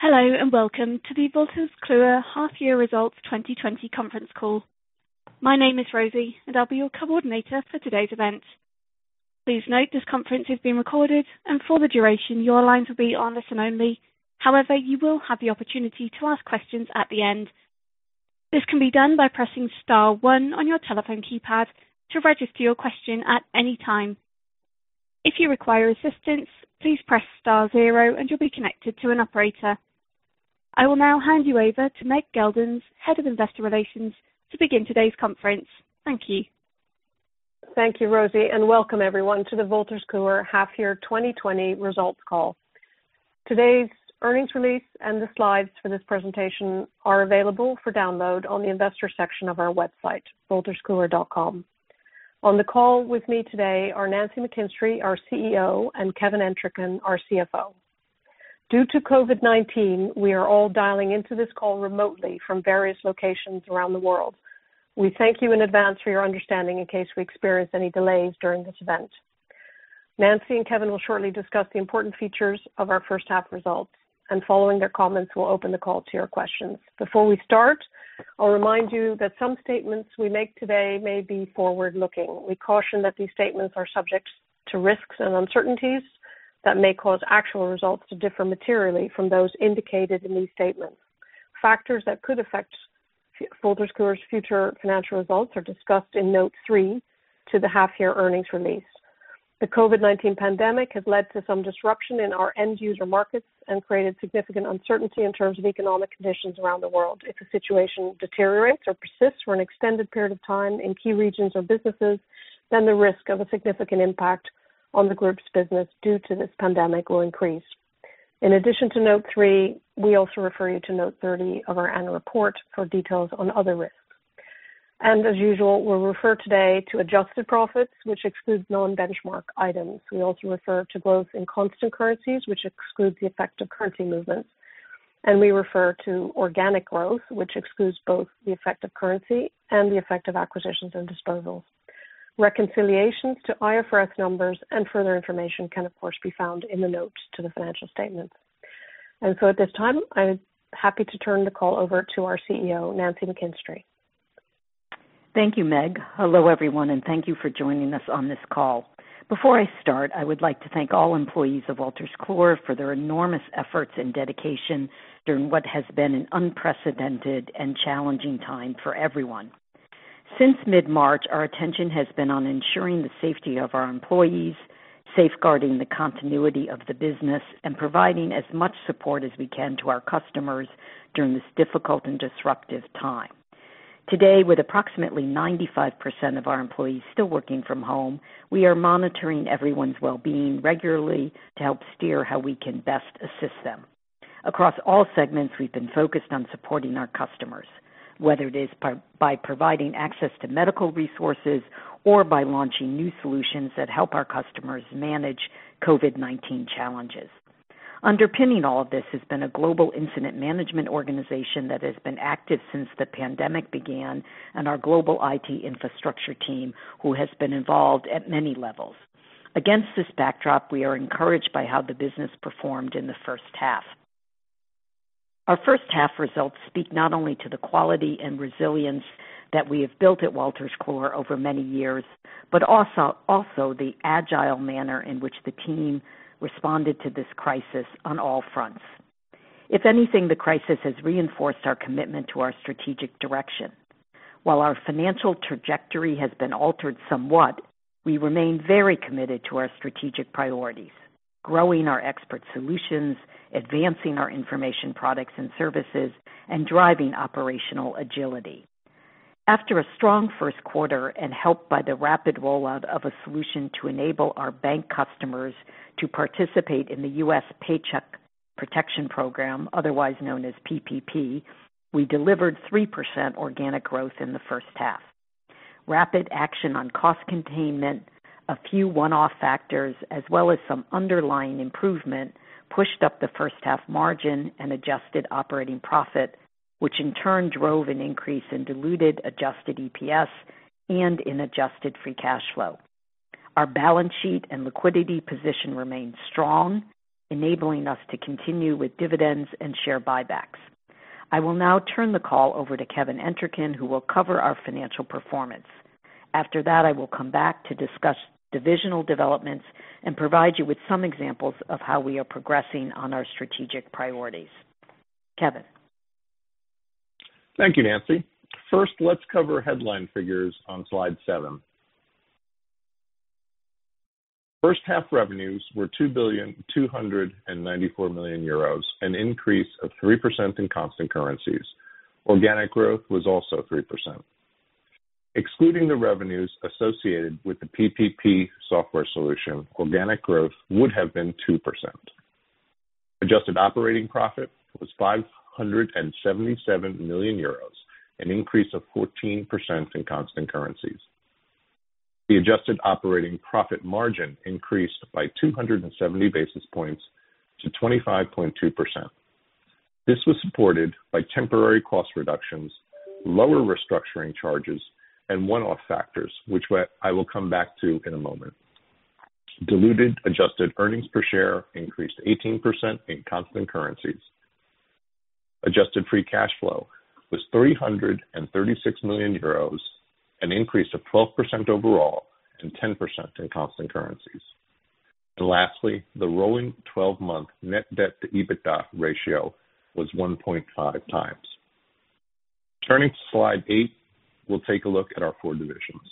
Hello, and welcome to the Wolters Kluwer Half Year Results 2020 conference call. My name is Rosie, and I'll be your coordinator for today's event. Please note this conference is being recorded, and for the duration, your lines will be on listen only. However, you will have the opportunity to ask questions at the end. This can be done by pressing star one on your telephone keypad to register your question at any time. If you require assistance, please press star zero and you'll be connected to an operator. I will now hand you over to Meg Geldens, Head of Investor Relations, to begin today's conference. Thank you. Thank you, Rosie. Welcome everyone to the Wolters Kluwer Half Year 2020 results call. Today's earnings release and the slides for this presentation are available for download on the investor section of our website, wolterskluwer.com. On the call with me today are Nancy McKinstry, our CEO, and Kevin Entricken, our CFO. Due to COVID-19, we are all dialing into this call remotely from various locations around the world. We thank you in advance for your understanding in case we experience any delays during this event. Nancy and Kevin will shortly discuss the important features of our first half results. Following their comments, we'll open the call to your questions. Before we start, I'll remind you that some statements we make today may be forward-looking. We caution that these statements are subject to risks and uncertainties that may cause actual results to differ materially from those indicated in these statements. Factors that could affect Wolters Kluwer's future financial results are discussed in Note 3 to the half year earnings release. The COVID-19 pandemic has led to some disruption in our end-user markets and created significant uncertainty in terms of economic conditions around the world. If the situation deteriorates or persists for an extended period of time in key regions or businesses, then the risk of a significant impact on the group's business due to this pandemic will increase. In addition to Note 3, we also refer you to Note 30 of our annual report for details on other risks. As usual, we'll refer today to adjusted profits, which excludes non-benchmark items. We also refer to growth in constant currencies, which excludes the effect of currency movements, and we refer to organic growth, which excludes both the effect of currency and the effect of acquisitions and disposals. Reconciliations to IFRS numbers and further information can, of course, be found in the notes to the financial statements. At this time, I'm happy to turn the call over to our CEO, Nancy McKinstry. Thank you, Meg. Hello, everyone, and thank you for joining us on this call. Before I start, I would like to thank all employees of Wolters Kluwer for their enormous efforts and dedication during what has been an unprecedented and challenging time for everyone. Since mid-March, our attention has been on ensuring the safety of our employees, safeguarding the continuity of the business, and providing as much support as we can to our customers during this difficult and disruptive time. Today, with approximately 95% of our employees still working from home, we are monitoring everyone's wellbeing regularly to help steer how we can best assist them. Across all segments, we've been focused on supporting our customers, whether it is by providing access to medical resources or by launching new solutions that help our customers manage COVID-19 challenges. Underpinning all of this has been a global incident management organization that has been active since the pandemic began and our global IT infrastructure team who has been involved at many levels. Against this backdrop, we are encouraged by how the business performed in the first half. Our first half results speak not only to the quality and resilience that we have built at Wolters Kluwer over many years, but also the agile manner in which the team responded to this crisis on all fronts. If anything, the crisis has reinforced our commitment to our strategic direction. While our financial trajectory has been altered somewhat, we remain very committed to our strategic priorities, growing our Expert Solutions, advancing our information products and services, and driving operational agility. After a strong first quarter and helped by the rapid rollout of a solution to enable our bank customers to participate in the U.S. Paycheck Protection Program, otherwise known as PPP, we delivered 3% organic growth in the first half. Rapid action on cost containment, a few one-off factors, as well as some underlying improvement, pushed up the first half margin and adjusted operating profit, which in turn drove an increase in diluted adjusted EPS and in adjusted free cash flow. Our balance sheet and liquidity position remains strong, enabling us to continue with dividends and share buybacks. I will now turn the call over to Kevin Entricken, who will cover our financial performance. I will come back to discuss divisional developments and provide you with some examples of how we are progressing on our strategic priorities. Kevin. Thank you, Nancy. First, let's cover headline figures on slide seven. First half revenues were 2,294 million euros, an increase of 3% in constant currencies. Organic growth was also 3%. Excluding the revenues associated with the PPP software solution, organic growth would have been 2%. Adjusted operating profit was 577 million euros, an increase of 14% in constant currencies. The adjusted operating profit margin increased by 270 basis points to 25.2%. This was supported by temporary cost reductions, lower restructuring charges, and one-off factors, which I will come back to in a moment. Diluted adjusted earnings per share increased 18% in constant currencies. Adjusted free cash flow was 336 million euros, an increase of 12% overall and 10% in constant currencies. Lastly, the rolling 12-month net debt to EBITDA ratio was 1.5x. Turning to slide eight, we'll take a look at our four divisions.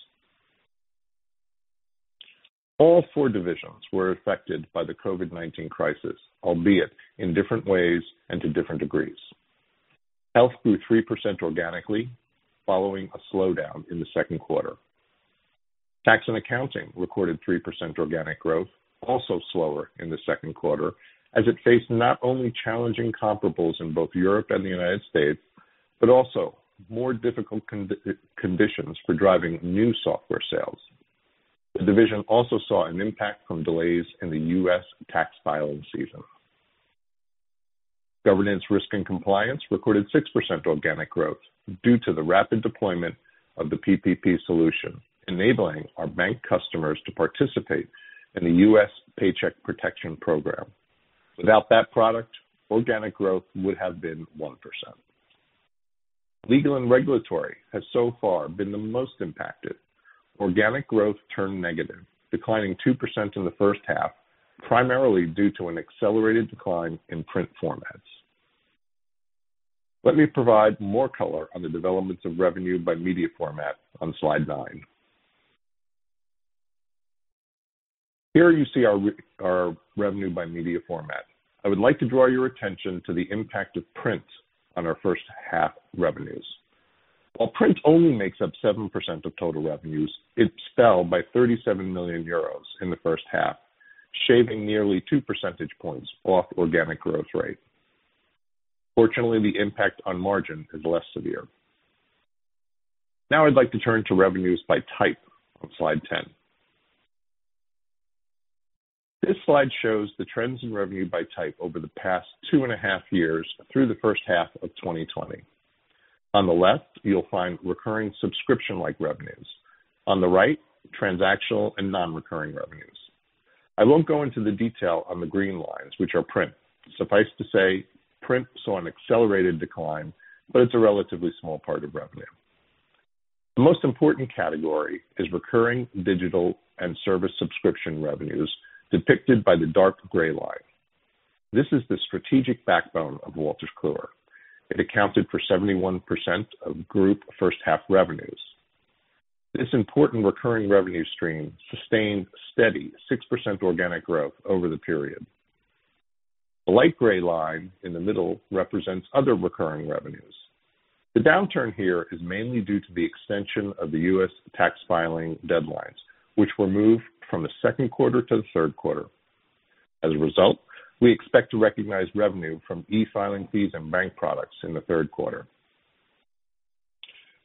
All four divisions were affected by the COVID-19 crisis, albeit in different ways and to different degrees. Health grew 3% organically, following a slowdown in the second quarter. Tax & Accounting recorded 3% organic growth, also slower in the second quarter, as it faced not only challenging comparables in both Europe and the U.S., but also more difficult conditions for driving new software sales. The division also saw an impact from delays in the U.S. tax filing season. Governance, Risk & Compliance recorded 6% organic growth due to the rapid deployment of the PPP solution, enabling our bank customers to participate in the U.S. Paycheck Protection Program. Without that product, organic growth would have been 1%. Legal & Regulatory has so far been the most impacted. Organic growth turned negative, declining 2% in the first half, primarily due to an accelerated decline in print formats. Let me provide more color on the developments of revenue by media format on slide nine. Here you see our revenue by media format. I would like to draw your attention to the impact of print on our first half revenues. While print only makes up 7% of total revenues, it fell by 37 million euros in the first half, shaving nearly 2 percentage points off organic growth rate. Fortunately, the impact on margin is less severe. I'd like to turn to revenues by type on slide 10. This slide shows the trends in revenue by type over the past two and a half years through the first half of 2020. On the left, you'll find recurring subscription-like revenues. On the right, transactional and non-recurring revenues. I won't go into the detail on the green lines, which are print. Suffice to say, print saw an accelerated decline, but it's a relatively small part of revenue. The most important category is recurring digital and service subscription revenues, depicted by the dark gray line. This is the strategic backbone of Wolters Kluwer. It accounted for 71% of group first half revenues. This important recurring revenue stream sustained steady 6% organic growth over the period. The light gray line in the middle represents other recurring revenues. The downturn here is mainly due to the extension of the U.S. tax filing deadlines, which were moved from the second quarter to the third quarter. As a result, we expect to recognize revenue from e-filing fees and bank products in the third quarter.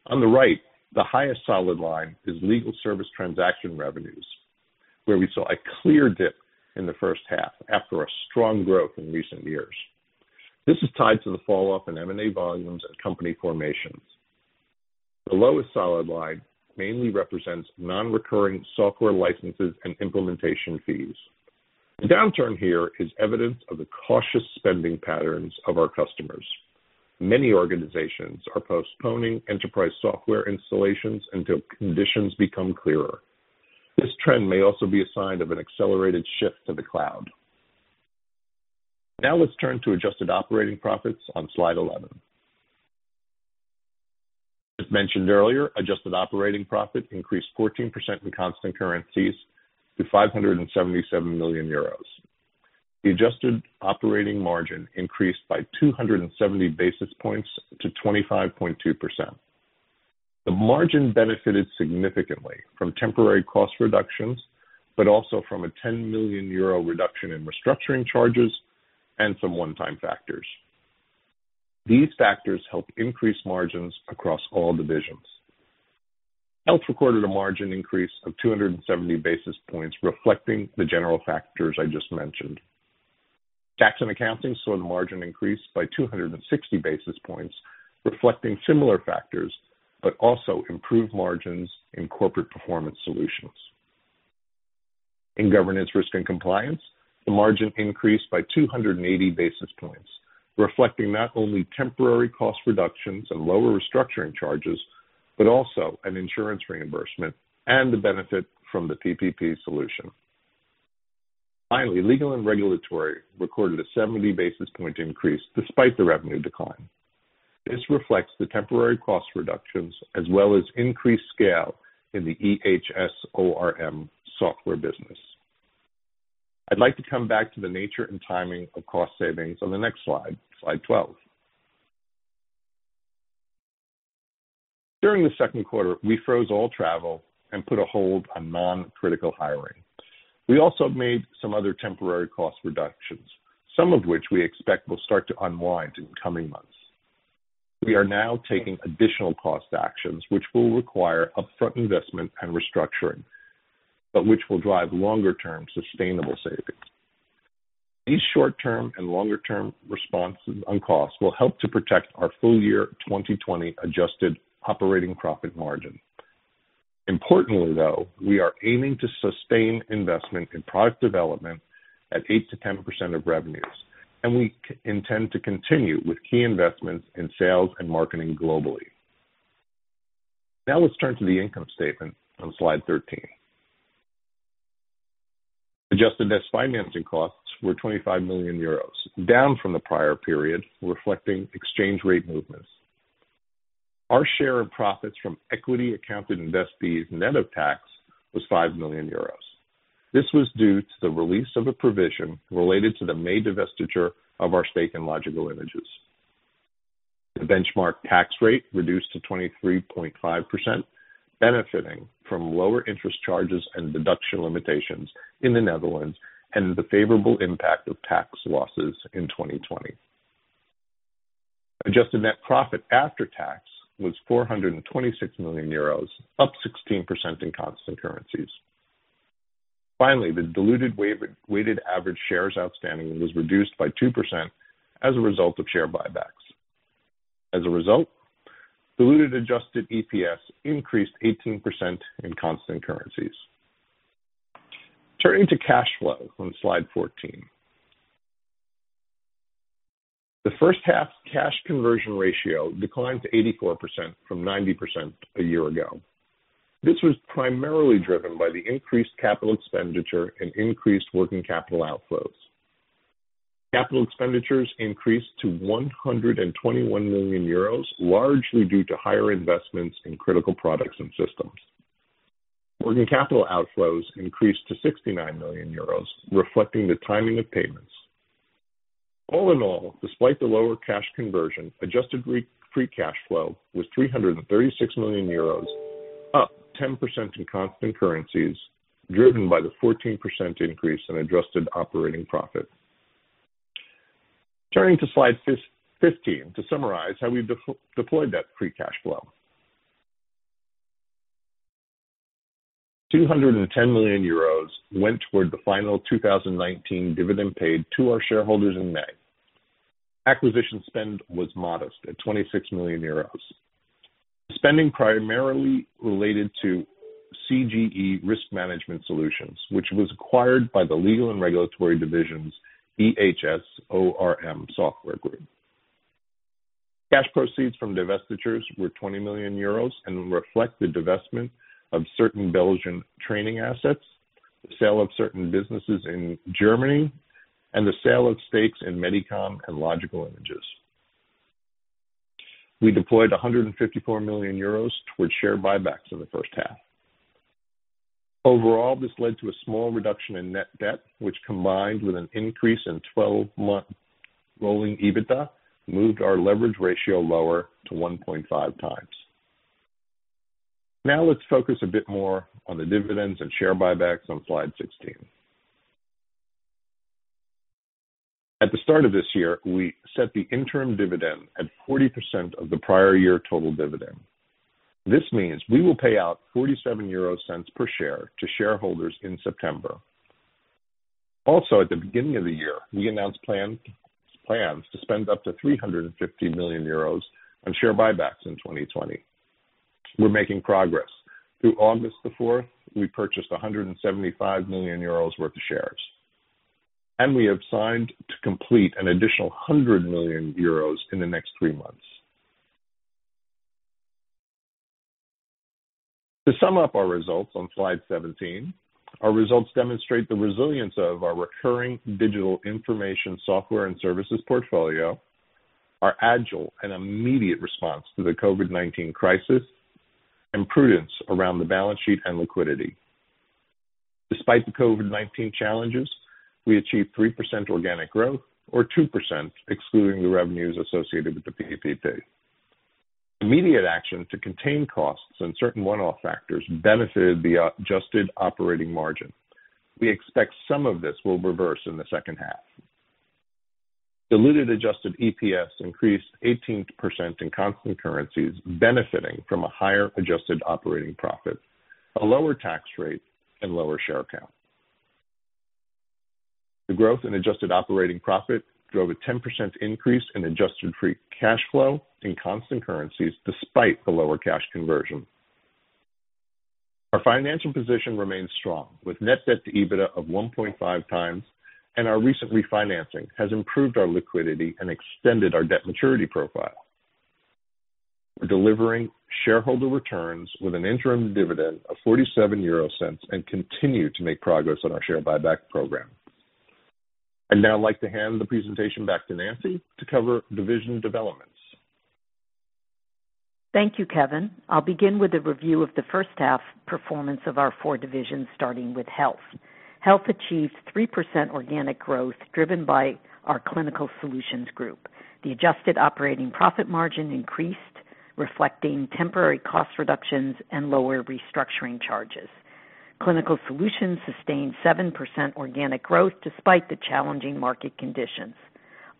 On the right, the highest solid line is legal service transaction revenues, where we saw a clear dip in the first half after a strong growth in recent years. This is tied to the falloff in M&A volumes and company formations. The lowest solid line mainly represents non-recurring software licenses and implementation fees. The downturn here is evident of the cautious spending patterns of our customers. Many organizations are postponing enterprise software installations until conditions become clearer. This trend may also be a sign of an accelerated shift to the cloud. Now let's turn to adjusted operating profits on slide 11. As mentioned earlier, adjusted operating profit increased 14% in constant currencies to 577 million euros. The adjusted operating margin increased by 270 basis points to 25.2%. The margin benefited significantly from temporary cost reductions, but also from a 10 million euro reduction in restructuring charges and some one-time factors. These factors helped increase margins across all divisions. Health recorded a margin increase of 270 basis points, reflecting the general factors I just mentioned. Tax & Accounting saw the margin increase by 260 basis points, reflecting similar factors, but also improved margins in Corporate Performance Solutions. In Governance, Risk & Compliance, the margin increased by 280 basis points, reflecting not only temporary cost reductions and lower restructuring charges, but also an insurance reimbursement and the benefit from the PPP solution. Finally, Legal & Regulatory recorded a 70-basis point increase despite the revenue decline. This reflects the temporary cost reductions as well as increased scale in the EHS and ORM software business. I'd like to come back to the nature and timing of cost savings on the next slide 12. During the second quarter, we froze all travel and put a hold on non-critical hiring. We also made some other temporary cost reductions, some of which we expect will start to unwind in coming months. We are now taking additional cost actions which will require upfront investment and restructuring, but which will drive longer-term sustainable savings. These short-term and longer-term responses on costs will help to protect our full year 2020 adjusted operating profit margin. Importantly, though, we are aiming to sustain investment in product development at 8%-10% of revenues, and we intend to continue with key investments in sales and marketing globally. Let's turn to the income statement on slide 13. Adjusted net financing costs were 25 million euros, down from the prior period, reflecting exchange rate movements. Our share of profits from equity accounted investees net of tax was 5 million euros. This was due to the release of a provision related to the May divestiture of our stake in Logical Images. The benchmark tax rate reduced to 23.5%, benefiting from lower interest charges and deduction limitations in the Netherlands, and the favorable impact of tax losses in 2020. Adjusted net profit after tax was 426 million euros, up 16% in constant currencies. Finally, the diluted weighted average shares outstanding was reduced by 2% as a result of share buybacks. As a result, diluted adjusted EPS increased 18% in constant currencies. Turning to cash flow on slide 14. The first half cash conversion ratio declined to 84% from 90% a year ago. This was primarily driven by the increased capital expenditure and increased working capital outflows. Capital expenditures increased to 121 million euros, largely due to higher investments in critical products and systems. Working capital outflows increased to 69 million euros, reflecting the timing of payments. All in all, despite the lower cash conversion, adjusted free cash flow was 336 million euros, up 10% in constant currencies, driven by the 14% increase in adjusted operating profit. Turning to slide 15 to summarize how we deployed that free cash flow. 210 million euros went toward the final 2019 dividend paid to our shareholders in May. Acquisition spend was modest at 26 million euros. Spending primarily related to CGE Risk Management Solutions, which was acquired by the Legal & Regulatory division's EHS ORM software group. Cash proceeds from divestitures were 20 million euros and reflect the divestment of certain Belgian training assets, the sale of certain businesses in Germany, and the sale of stakes in Medicom and Logical Images. We deployed 154 million euros towards share buybacks in the first half. Overall, this led to a small reduction in net debt, which, combined with an increase in 12-month rolling EBITDA, moved our leverage ratio lower to 1.5x. Now let's focus a bit more on the dividends and share buybacks on slide 16. At the start of this year, we set the interim dividend at 40% of the prior year total dividend. This means we will pay out 0.47 per share to shareholders in September. Also, at the beginning of the year, we announced plans to spend up to 350 million euros on share buybacks in 2020. We're making progress. Through August the fourth, we purchased 175 million euros worth of shares. We have signed to complete an additional 100 million euros in the next three months. To sum up our results on slide 17, our results demonstrate the resilience of our recurring digital information, software, and services portfolio, our agile and immediate response to the COVID-19 crisis, and prudence around the balance sheet and liquidity. Despite the COVID-19 challenges, we achieved 3% organic growth, or 2% excluding the revenues associated with the PPP. Immediate action to contain costs and certain one-off factors benefited the adjusted operating margin. We expect some of this will reverse in the second half. Diluted adjusted EPS increased 18% in constant currencies, benefiting from a higher adjusted operating profit, a lower tax rate, and lower share count. The growth in adjusted operating profit drove a 10% increase in adjusted free cash flow in constant currencies despite the lower cash conversion. Our financial position remains strong with net debt to EBITDA of 1.5x, and our recent refinancing has improved our liquidity and extended our debt maturity profile. We're delivering shareholder returns with an interim dividend of 0.47 and continue to make progress on our share buyback program. I'd now like to hand the presentation back to Nancy to cover division developments. Thank you, Kevin. I'll begin with a review of the first half performance of our four divisions, starting with Health. Health achieved 3% organic growth, driven by our Clinical Solutions. The adjusted operating profit margin increased, reflecting temporary cost reductions and lower restructuring charges. Clinical Solutions sustained 7% organic growth despite the challenging market conditions.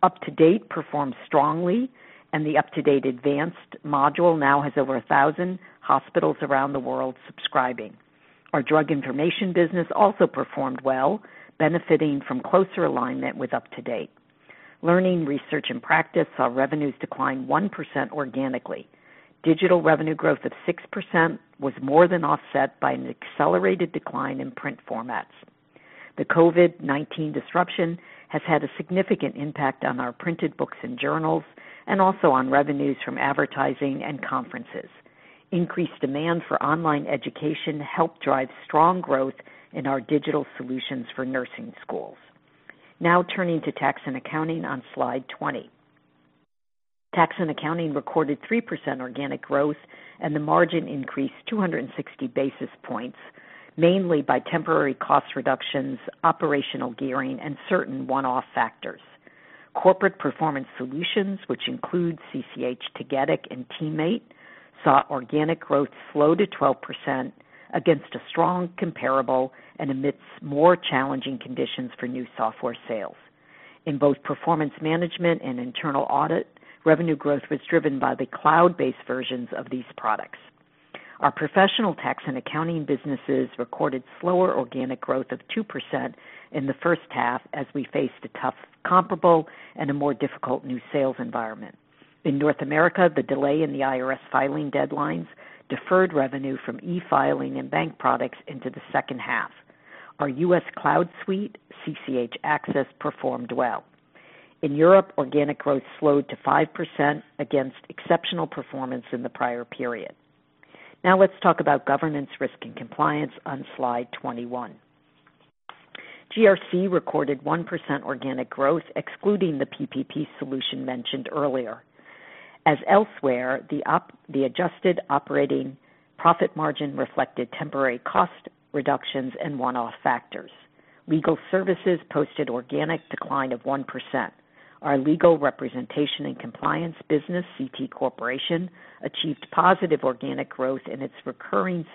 UpToDate performed strongly, and the UpToDate Advanced Module now has over 1,000 hospitals around the world subscribing. Our drug information business also performed well, benefiting from closer alignment with UpToDate. Learning, Research & Practice saw revenues decline 1% organically. Digital revenue growth of 6% was more than offset by an accelerated decline in print formats. The COVID-19 disruption has had a significant impact on our printed books and journals and also on revenues from advertising and conferences. Increased demand for online education helped drive strong growth in our digital solutions for nursing schools. Now turning to Tax & Accounting on slide 20. Tax & Accounting recorded 3% organic growth, and the margin increased 260 basis points, mainly by temporary cost reductions, operational gearing, and certain one-off factors. Corporate Performance Solutions, which include CCH Tagetik and TeamMate, saw organic growth slow to 12% against a strong comparable and amidst more challenging conditions for new software sales. In both performance management and internal audit, revenue growth was driven by the cloud-based versions of these products. Our professional Tax & Accounting businesses recorded slower organic growth of 2% in the first half as we faced a tough comparable and a more difficult new sales environment. In North America, the delay in the IRS filing deadlines deferred revenue from e-filing and bank products into the second half. Our U.S. Cloud Suite, CCH Axcess, performed well. In Europe, organic growth slowed to 5% against exceptional performance in the prior period. Now let's talk about Governance, Risk & Compliance on slide 21. GRC recorded 1% organic growth, excluding the PPP solution mentioned earlier. As elsewhere, the adjusted operating profit margin reflected temporary cost reductions and one-off factors. Legal services posted organic decline of 1%. Our legal representation and compliance business, CT Corporation, achieved positive organic growth in its recurring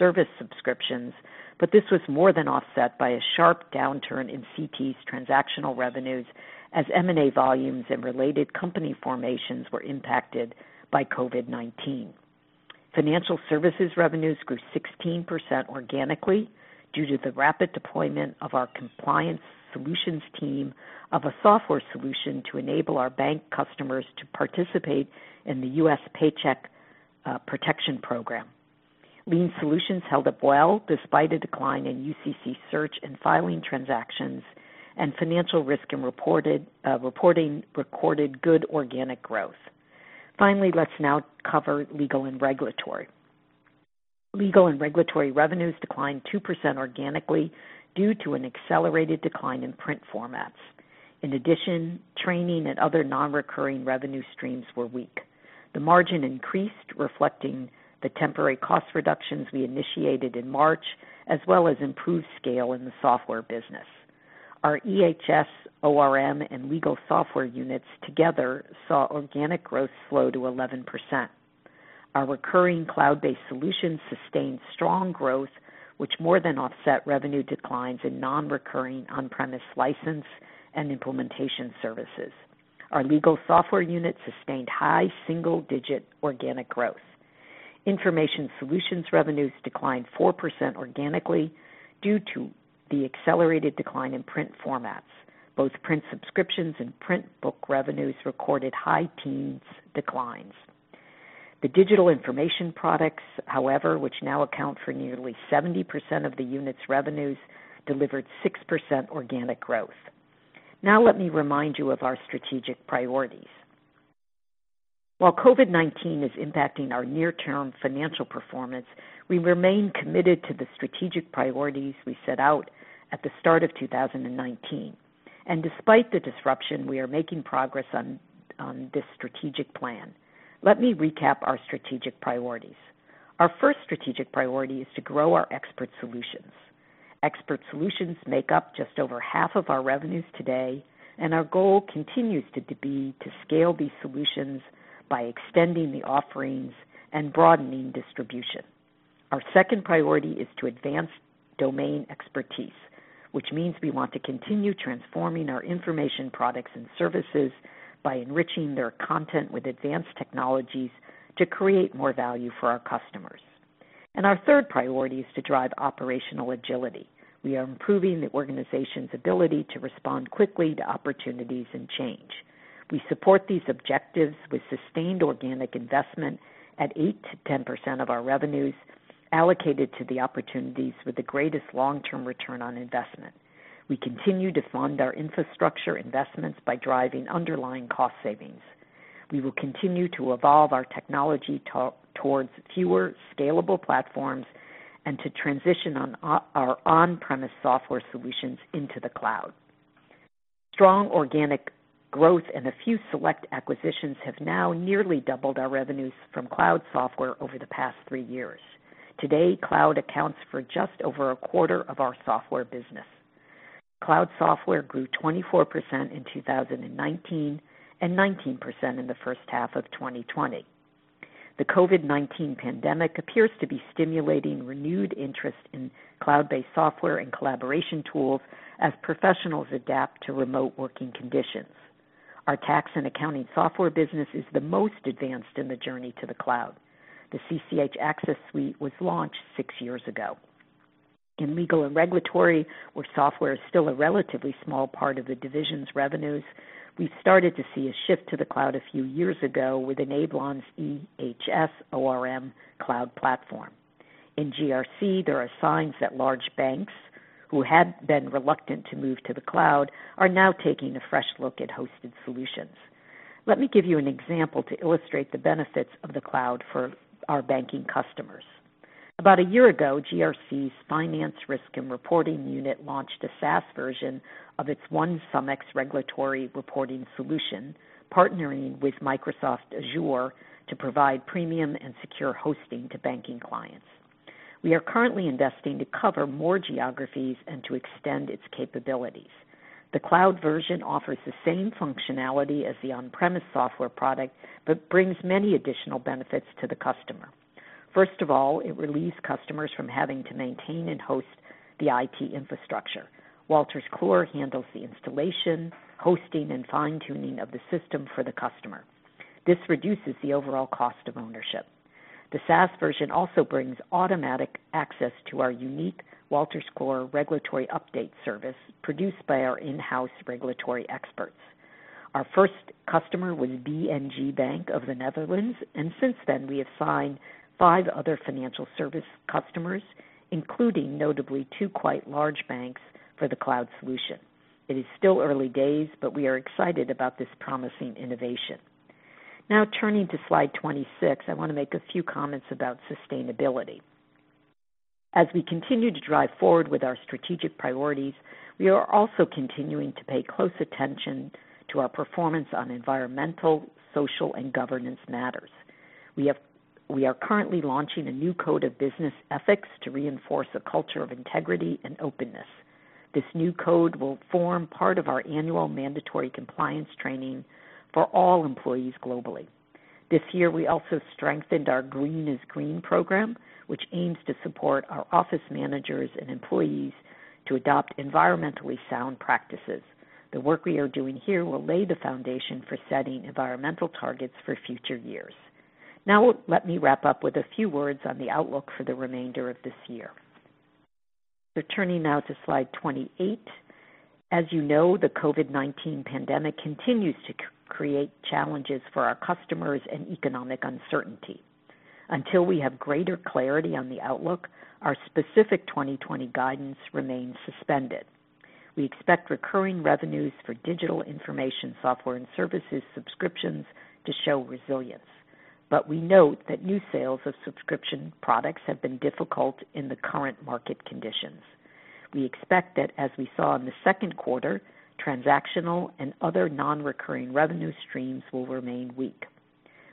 service subscriptions, but this was more than offset by a sharp downturn in CT's transactional revenues as M&A volumes and related company formations were impacted by COVID-19. Financial services revenues grew 16% organically due to the rapid deployment of our compliance solutions team of a software solution to enable our bank customers to participate in the U.S. Paycheck Protection Program. Lien Solutions held up well, despite a decline in UCC search and filing transactions, and Finance, Risk & Reporting recorded good organic growth. Let's now cover Legal & Regulatory. Legal & Regulatory revenues declined 2% organically due to an accelerated decline in print formats. In addition, training and other non-recurring revenue streams were weak. The margin increased, reflecting the temporary cost reductions we initiated in March, as well as improved scale in the software business. Our EHS, ORM, and legal software units together saw organic growth slow to 11%. Our recurring cloud-based solutions sustained strong growth, which more than offset revenue declines in non-recurring on-premise license and implementation services. Our legal software unit sustained high single-digit organic growth. Information solutions revenues declined 4% organically due to the accelerated decline in print formats. Both print subscriptions and print book revenues recorded high teens declines. The digital information products, however, which now account for nearly 70% of the unit's revenues, delivered 6% organic growth. Let me remind you of our strategic priorities. While COVID-19 is impacting our near-term financial performance, we remain committed to the strategic priorities we set out at the start of 2019, and despite the disruption, we are making progress on this strategic plan. Let me recap our strategic priorities. Our first strategic priority is to grow our expert solutions. Expert solutions make up just over half of our revenues today, and our goal continues to be to scale these solutions by extending the offerings and broadening distribution. Our second priority is to advance domain expertise, which means we want to continue transforming our information products and services by enriching their content with advanced technologies to create more value for our customers. Our third priority is to drive operational agility. We are improving the organization's ability to respond quickly to opportunities and change. We support these objectives with sustained organic investment at 8%-10% of our revenues allocated to the opportunities with the greatest long-term return on investment. We continue to fund our infrastructure investments by driving underlying cost savings. We will continue to evolve our technology towards fewer scalable platforms and to transition our on-premise software solutions into the cloud. Strong organic growth and a few select acquisitions have now nearly doubled our revenues from cloud software over the past three years. Today, cloud accounts for just over a quarter of our software business. Cloud software grew 24% in 2019 and 19% in the first half of 2020. The COVID-19 pandemic appears to be stimulating renewed interest in cloud-based software and collaboration tools as professionals adapt to remote working conditions. Our Tax & Accounting software business is the most advanced in the journey to the cloud. The CCH Axcess suite was launched six years ago. In Legal & Regulatory, where software is still a relatively small part of the division's revenues, we started to see a shift to the cloud a few years ago with Enablon's EHS ORM cloud platform. In GRC, there are signs that large banks who had been reluctant to move to the cloud are now taking a fresh look at hosted solutions. Let me give you an example to illustrate the benefits of the cloud for our banking customers. About a year ago, GRC's Finance, Risk & Reporting unit launched a SaaS version of its OneSumX regulatory reporting solution, partnering with Microsoft Azure to provide premium and secure hosting to banking clients. We are currently investing to cover more geographies and to extend its capabilities. The cloud version offers the same functionality as the on-premise software product, but brings many additional benefits to the customer. First of all, it relieves customers from having to maintain and host the IT infrastructure. Wolters Kluwer handles the installation, hosting, and fine-tuning of the system for the customer. This reduces the overall cost of ownership. The SaaS version also brings automatic access to our unique Wolters Kluwer regulatory update service, produced by our in-house regulatory experts. Our first customer was BNG Bank of the Netherlands, and since then, we have signed five other financial service customers, including notably two quite large banks for the cloud solution. It is still early days, but we are excited about this promising innovation. Now turning to slide 26, I want to make a few comments about sustainability. As we continue to drive forward with our strategic priorities, we are also continuing to pay close attention to our performance on environmental, social, and governance matters. We are currently launching a new code of business ethics to reinforce a culture of integrity and openness. This new code will form part of our annual mandatory compliance training for all employees globally. This year, we also strengthened our Green is Green program, which aims to support our office managers and employees to adopt environmentally sound practices. The work we are doing here will lay the foundation for setting environmental targets for future years. Now, let me wrap up with a few words on the outlook for the remainder of this year. Turning now to slide 28. As you know, the COVID-19 pandemic continues to create challenges for our customers and economic uncertainty. Until we have greater clarity on the outlook, our specific 2020 guidance remains suspended. We expect recurring revenues for Digital Information software and services subscriptions to show resilience. We note that new sales of subscription products have been difficult in the current market conditions. We expect that as we saw in the second quarter, transactional and other non-recurring revenue streams will remain weak.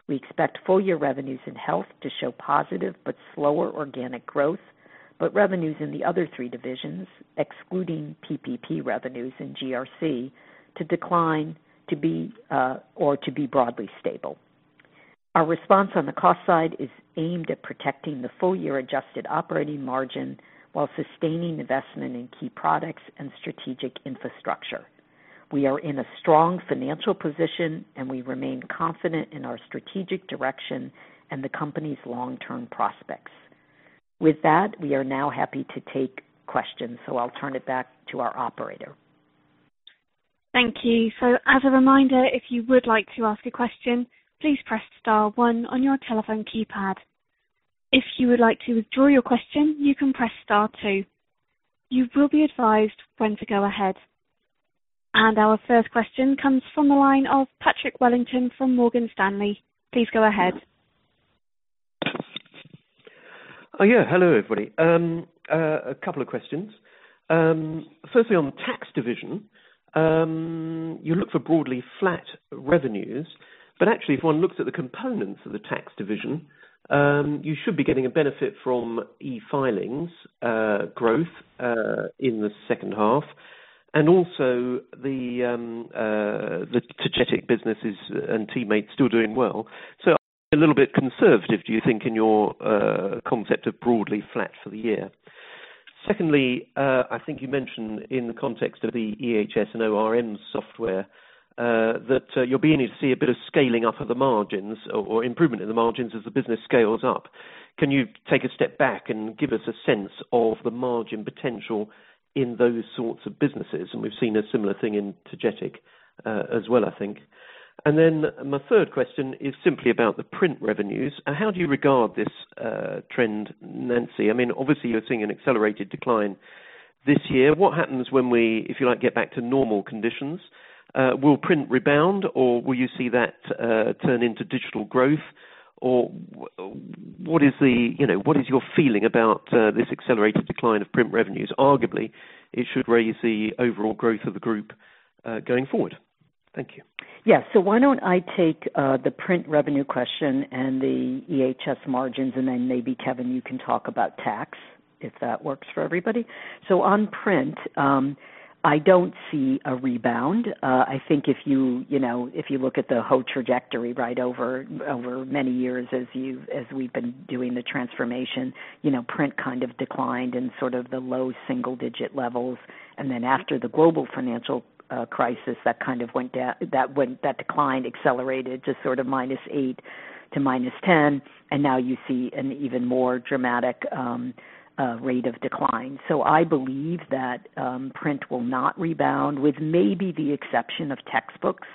We expect full-year revenues in Health to show positive but slower organic growth, but revenues in the other three divisions, excluding PPP revenues in GRC, to decline or to be broadly stable. Our response on the cost side is aimed at protecting the full-year adjusted operating margin while sustaining investment in key products and strategic infrastructure. We are in a strong financial position, and we remain confident in our strategic direction and the company's long-term prospects. With that, we are now happy to take questions, so I'll turn it back to our operator. Thank you. As a reminder, if you would like to ask a question, please press star one on your telephone keypad. If you would like to withdraw your question, you can press star two. You will be advised when to go ahead. Our first question comes from the line of Patrick Wellington from Morgan Stanley. Please go ahead. Hello, everybody. A couple of questions. Firstly, on the Tax & Accounting division, you look for broadly flat revenues, but actually, if one looks at the components of the Tax & Accounting division, you should be getting a benefit from e-filings growth in the second half, and also the CCH Tagetik businesses and TeamMate still doing well. A little bit conservative, do you think, in your concept of broadly flat for the year? Secondly, I think you mentioned in the context of the EHS and ORM software that you're beginning to see a bit of scaling up of the margins or improvement in the margins as the business scales up. Can you take a step back and give us a sense of the margin potential in those sorts of businesses? We've seen a similar thing in CCH Tagetik as well, I think. My third question is simply about the print revenues. How do you regard this trend, Nancy? Obviously, you're seeing an accelerated decline this year. What happens when we, if you like, get back to normal conditions? Will print rebound, or will you see that turn into digital growth? What is your feeling about this accelerated decline of print revenues? Arguably, it should raise the overall growth of the group going forward. Thank you. Yeah. Why don't I take the print revenue question and the EHS margins, and then maybe Kevin, you can talk about tax. If that works for everybody. On print, I don't see a rebound. I think if you look at the whole trajectory right over many years as we've been doing the transformation, print kind of declined in sort of the low single-digit levels. After the global financial crisis, that declined accelerated to sort of -8 to -10, and now you see an even more dramatic rate of decline. I believe that print will not rebound, with maybe the exception of textbooks.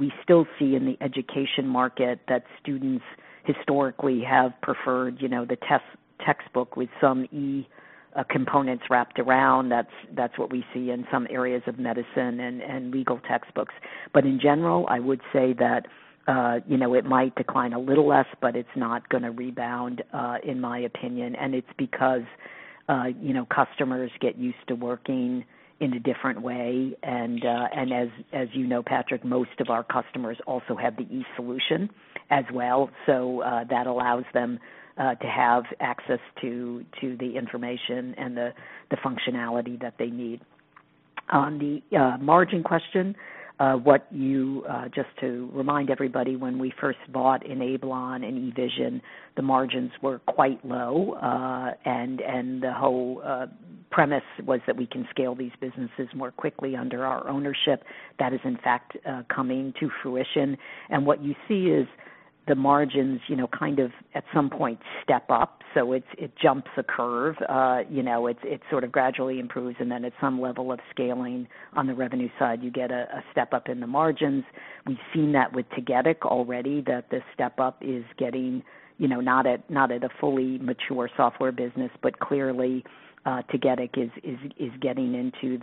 We still see in the education market that students historically have preferred the textbook with some e components wrapped around. That's what we see in some areas of medicine and legal textbooks. In general, I would say that it might decline a little less, but it's not going to rebound, in my opinion. It's because customers get used to working in a different way, and as you know, Patrick, most of our customers also have the e solution as well. That allows them to have access to the information and the functionality that they need. On the margin question, just to remind everybody, when we first bought Enablon and eVision, the margins were quite low. The whole premise was that we can scale these businesses more quickly under our ownership. That is in fact coming to fruition. What you see is the margins kind of at some point step up. It jumps a curve. It sort of gradually improves. Then at some level of scaling on the revenue side, you get a step-up in the margins. We've seen that with CCH Tagetik already, that the step-up is getting, not at a fully mature software business, but clearly CCH Tagetik is getting into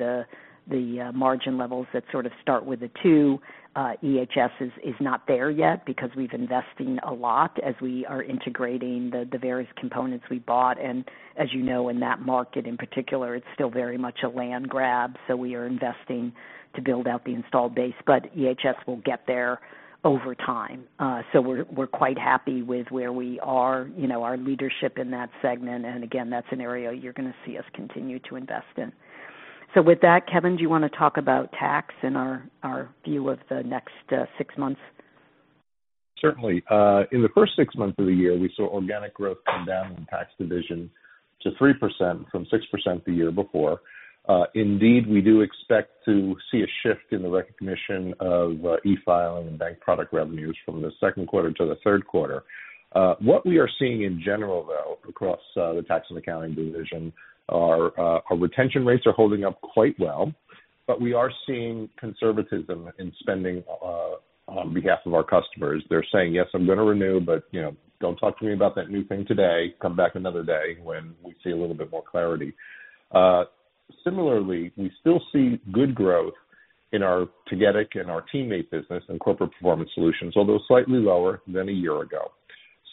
the margin levels that sort of start with a two. EHS is not there yet because we're investing a lot as we are integrating the various components we bought. As you know, in that market in particular, it's still very much a land grab. We are investing to build out the installed base, but EHS will get there over time. We're quite happy with where we are, our leadership in that segment. Again, that's an area you're going to see us continue to invest in. With that, Kevin, do you want to talk about tax and our view of the next six months? Certainly. In the first six months of the year, we saw organic growth come down in Tax division to 3% from 6% the year before. We do expect to see a shift in the recognition of e-filing and bank product revenues from the second quarter to the third quarter. What we are seeing in general, though, across the Tax & Accounting division, our retention rates are holding up quite well, but we are seeing conservatism in spending on behalf of our customers. They're saying, "Yes, I'm going to renew, but don't talk to me about that new thing today. Come back another day when we see a little bit more clarity." We still see good growth in our CCH Tagetik and our TeamMate business and corporate performance solutions, although slightly lower than a year ago.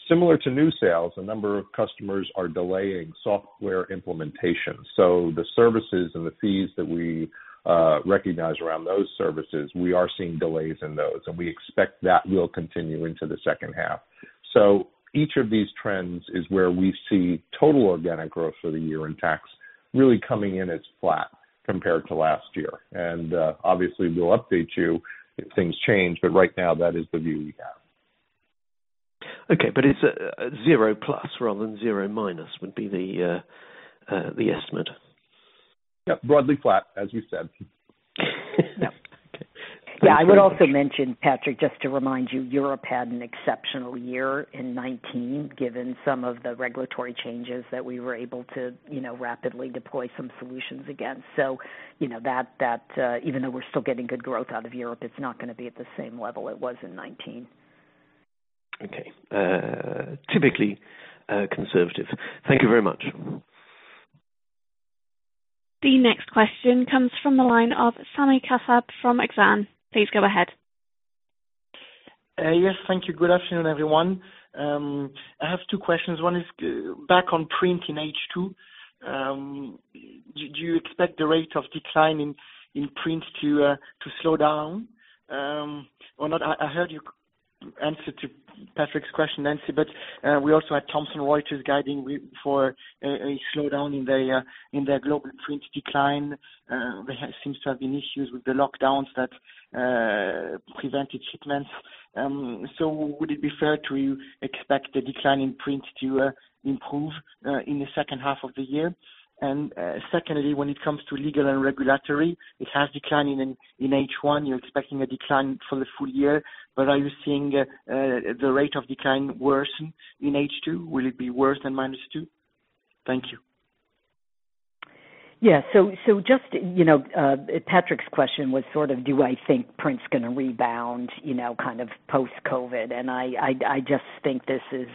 Similar to new sales, a number of customers are delaying software implementation. The services and the fees that we recognize around those services, we are seeing delays in those, and we expect that will continue into the second half. Each of these trends is where we see total organic growth for the year in Tax really coming in as flat compared to last year. Obviously, we'll update you if things change, but right now that is the view we have. Okay. It's a 0+ rather than 0- would be the estimate? Yep. Broadly flat, as you said. Yep. Okay. I would also mention, Patrick, just to remind you, Europe had an exceptional year in 2019, given some of the regulatory changes that we were able to rapidly deploy some solutions against. Even though we're still getting good growth out of Europe, it's not going to be at the same level it was in 2019. Okay. Typically conservative. Thank you very much. The next question comes from the line of Sami Kassab from Exane. Please go ahead. Yes. Thank you. Good afternoon, everyone. I have two questions. One is back on print in H2. Do you expect the rate of decline in print to slow down or not? I heard your answer to Patrick's question, Nancy. We also had Thomson Reuters guiding for a slowdown in their global print decline. There seems to have been issues with the lockdowns that prevented shipments. Would it be fair to expect the decline in print to improve in the second half of the year? Secondly, when it comes to Legal & Regulatory, it has declined in H1. You're expecting a decline for the full year. Are you seeing the rate of decline worsen in H2? Will it be worse than minus two? Thank you. Patrick's question was sort of do I think print's going to rebound kind of post-COVID? I just think this is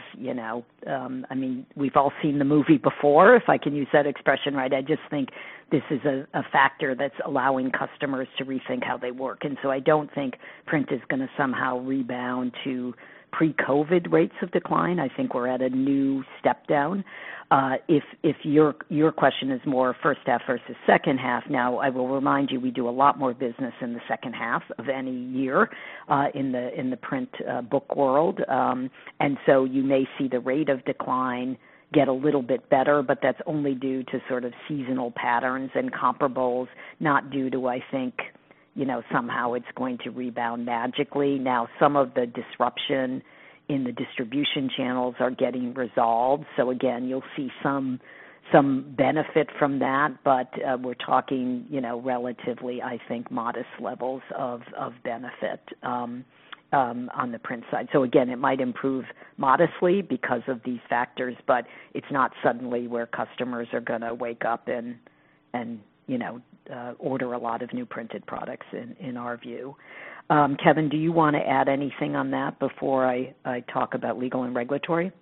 we've all seen the movie before, if I can use that expression, right? I just think this is a factor that's allowing customers to rethink how they work. I don't think print is going to somehow rebound to pre-COVID rates of decline. I think we're at a new step-down. If your question is more first half versus second half now, I will remind you, we do a lot more business in the second half of any year, in the print book world. You may see the rate of decline get a little bit better, but that's only due to sort of seasonal patterns and comparables, not due to, I think, somehow it's going to rebound magically. Some of the disruption in the distribution channels are getting resolved. Again, you'll see some benefit from that. We're talking relatively, I think, modest levels of benefit on the print side. Again, it might improve modestly because of these factors, but it's not suddenly where customers are going to wake up and order a lot of new printed products in our view. Kevin, do you want to add anything on that before I talk about Legal & Regulatory?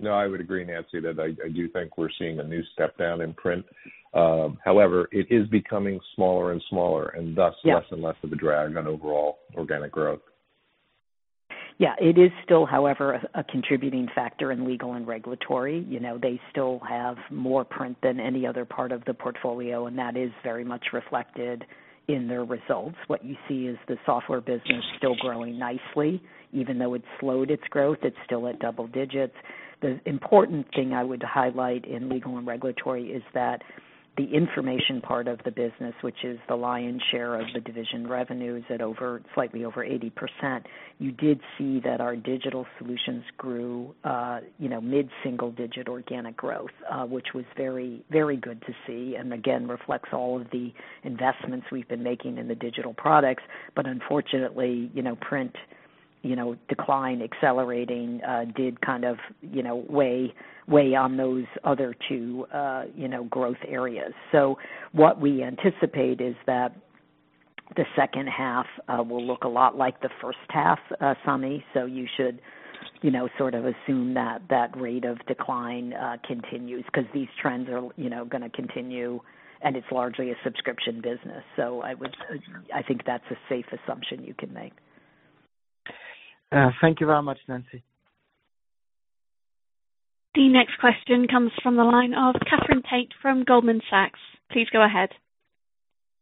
No, I would agree, Nancy, that I do think we're seeing a new step down in print. However, it is becoming smaller and smaller. Yeah less and less of a drag on overall organic growth. Yeah. It is still, however, a contributing factor in Legal & Regulatory. They still have more print than any other part of the portfolio, and that is very much reflected in their results. What you see is the software business still growing nicely. Even though it slowed its growth, it's still at double digits. The important thing I would highlight in Legal & Regulatory is that the information part of the business, which is the lion's share of the division revenues at slightly over 80%. You did see that our digital solutions grew mid-single digit organic growth, which was very good to see, and again, reflects all of the investments we've been making in the digital products. Unfortunately, print decline accelerating did kind of weigh on those other two growth areas. What we anticipate is that the second half will look a lot like the first half, Sami. You should sort of assume that rate of decline continues, because these trends are going to continue, and it's largely a subscription business. I think that's a safe assumption you can make. Thank you very much, Nancy. The next question comes from the line of Katherine Tait from Goldman Sachs. Please go ahead.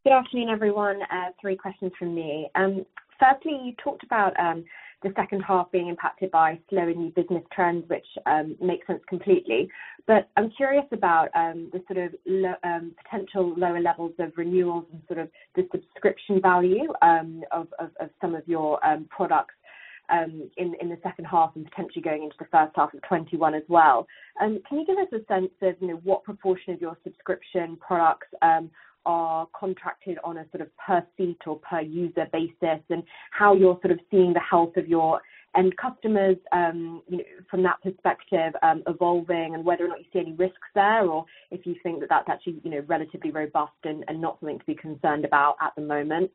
Good afternoon, everyone. Three questions from me. Firstly, you talked about the second half being impacted by slowing new business trends, which makes sense completely. I'm curious about the sort of potential lower levels of renewals and sort of the subscription value of some of your products in the second half and potentially going into the first half of 2021 as well. Can you give us a sense of what proportion of your subscription products are contracted on a sort of per seat or per user basis, and how you're sort of seeing the health of your end customers from that perspective evolving, and whether or not you see any risks there, or if you think that that's actually relatively robust and not something to be concerned about at the moment.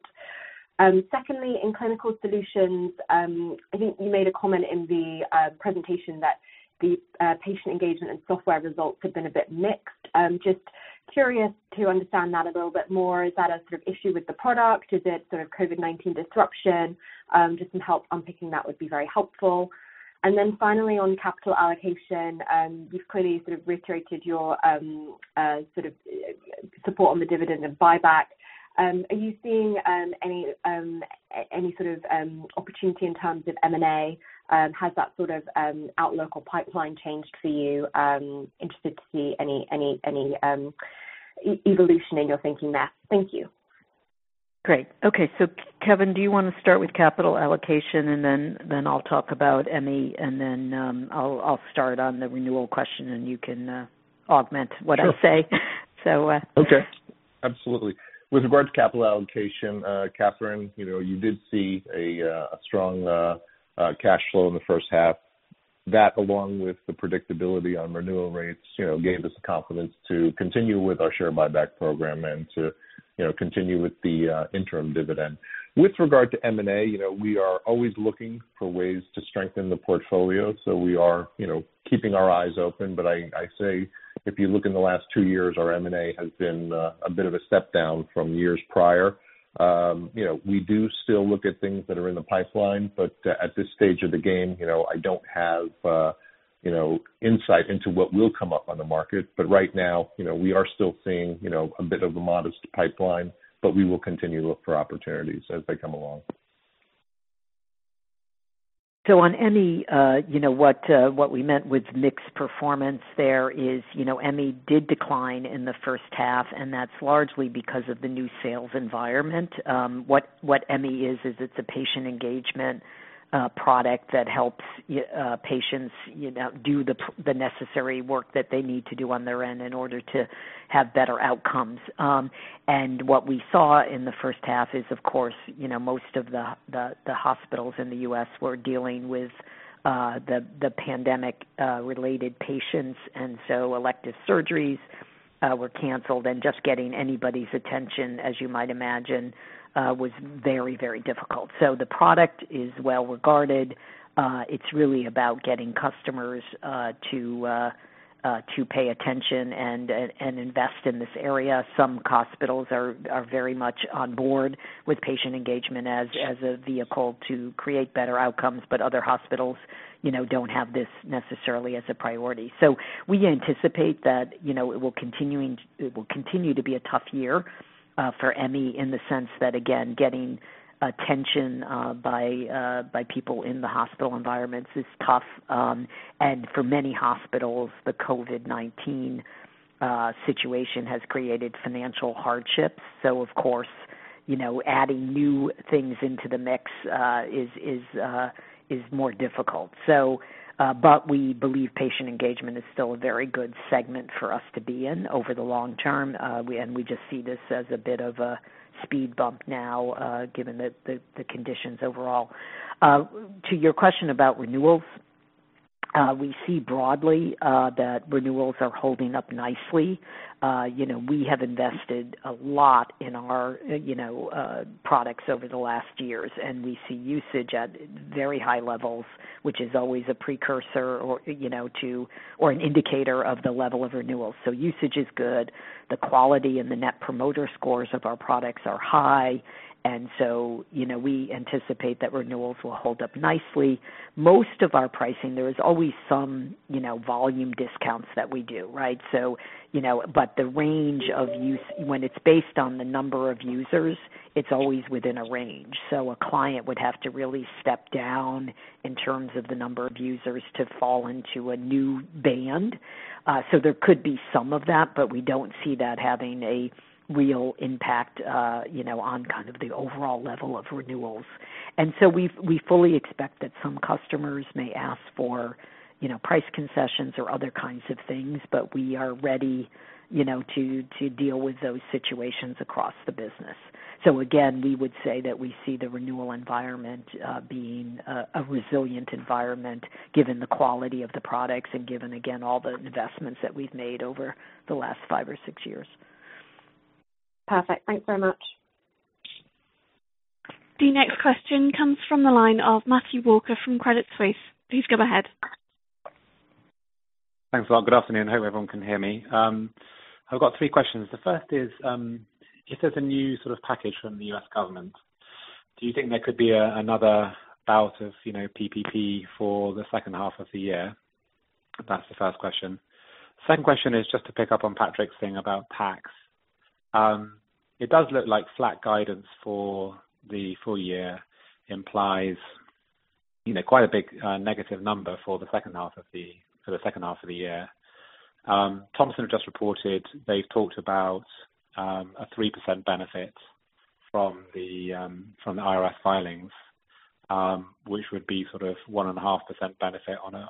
In Clinical Solutions, I think you made a comment in the presentation that the patient engagement and software results have been a bit mixed. Just curious to understand that a little bit more. Is that a sort of issue with the product? Is it sort of COVID-19 disruption? Just some help unpicking that would be very helpful. Finally on capital allocation, you've clearly sort of reiterated your sort of support on the dividend and buyback. Are you seeing any sort of opportunity in terms of M&A? Has that sort of outlook or pipeline changed for you? Interested to see any evolution in your thinking there. Thank you. Great. Okay. Kevin, do you want to start with capital allocation and then I'll talk about Emmi, and then I'll start on the renewal question, and you can augment what I say? Sure. Okay. Absolutely. With regard to capital allocation, Katherine, you did see a strong cash flow in the first half. That, along with the predictability on renewal rates, gave us the confidence to continue with our share buyback program and to continue with the interim dividend. With regard to M&A, we are always looking for ways to strengthen the portfolio. We are keeping our eyes open. I say, if you look in the last two years, our M&A has been a bit of a step down from years prior. We do still look at things that are in the pipeline, but at this stage of the game, I don't have insight into what will come up on the market. Right now, we are still seeing a bit of a modest pipeline, but we will continue to look for opportunities as they come along. On Emmi, what we meant with mixed performance there is, Emmi did decline in the first half, and that's largely because of the new sales environment. What Emmi is it's a patient engagement product that helps patients do the necessary work that they need to do on their end in order to have better outcomes. What we saw in the first half is, of course, most of the hospitals in the U.S. were dealing with the pandemic-related patients, elective surgeries were canceled, and just getting anybody's attention, as you might imagine, was very difficult. The product is well regarded. It's really about getting customers to pay attention and invest in this area. Some hospitals are very much on board with patient engagement as a vehicle to create better outcomes. Other hospitals don't have this necessarily as a priority. We anticipate that it will continue to be a tough year for Emmi in the sense that, again, getting attention by people in the hospital environments is tough. For many hospitals, the COVID-19-situation has created financial hardships. Of course, adding new things into the mix is more difficult. We believe patient engagement is still a very good segment for us to be in over the long term, and we just see this as a bit of a speed bump now, given the conditions overall. To your question about renewals, we see broadly that renewals are holding up nicely. We have invested a lot in our products over the last years, and we see usage at very high levels, which is always a precursor or an indicator of the level of renewal. Usage is good. The quality and the Net Promoter Score of our products are high. We anticipate that renewals will hold up nicely. Most of our pricing, there is always some volume discounts that we do, right? The range of use, when it's based on the number of users, it's always within a range. A client would have to really step down in terms of the number of users to fall into a new band. There could be some of that, but we don't see that having a real impact on the overall level of renewals. We fully expect that some customers may ask for price concessions or other kinds of things, but we are ready to deal with those situations across the business. Again, we would say that we see the renewal environment being a resilient environment, given the quality of the products and given, again, all the investments that we've made over the last five or six years. Perfect. Thanks very much. The next question comes from the line of Matthew Walker from Credit Suisse. Please go ahead. Thanks a lot. Good afternoon. Hope everyone can hear me. I've got three questions. The first is, if there's a new sort of package from the U.S. government, do you think there could be another bout of PPP for the second half of the year? That's the first question. Second question is just to pick up on Patrick's thing about tax. It does look like flat guidance for the full year implies quite a big negative number for the second half of the year. Thomson just reported they've talked about a 3% benefit from the IRS filings, which would be sort of 1.5% benefit on an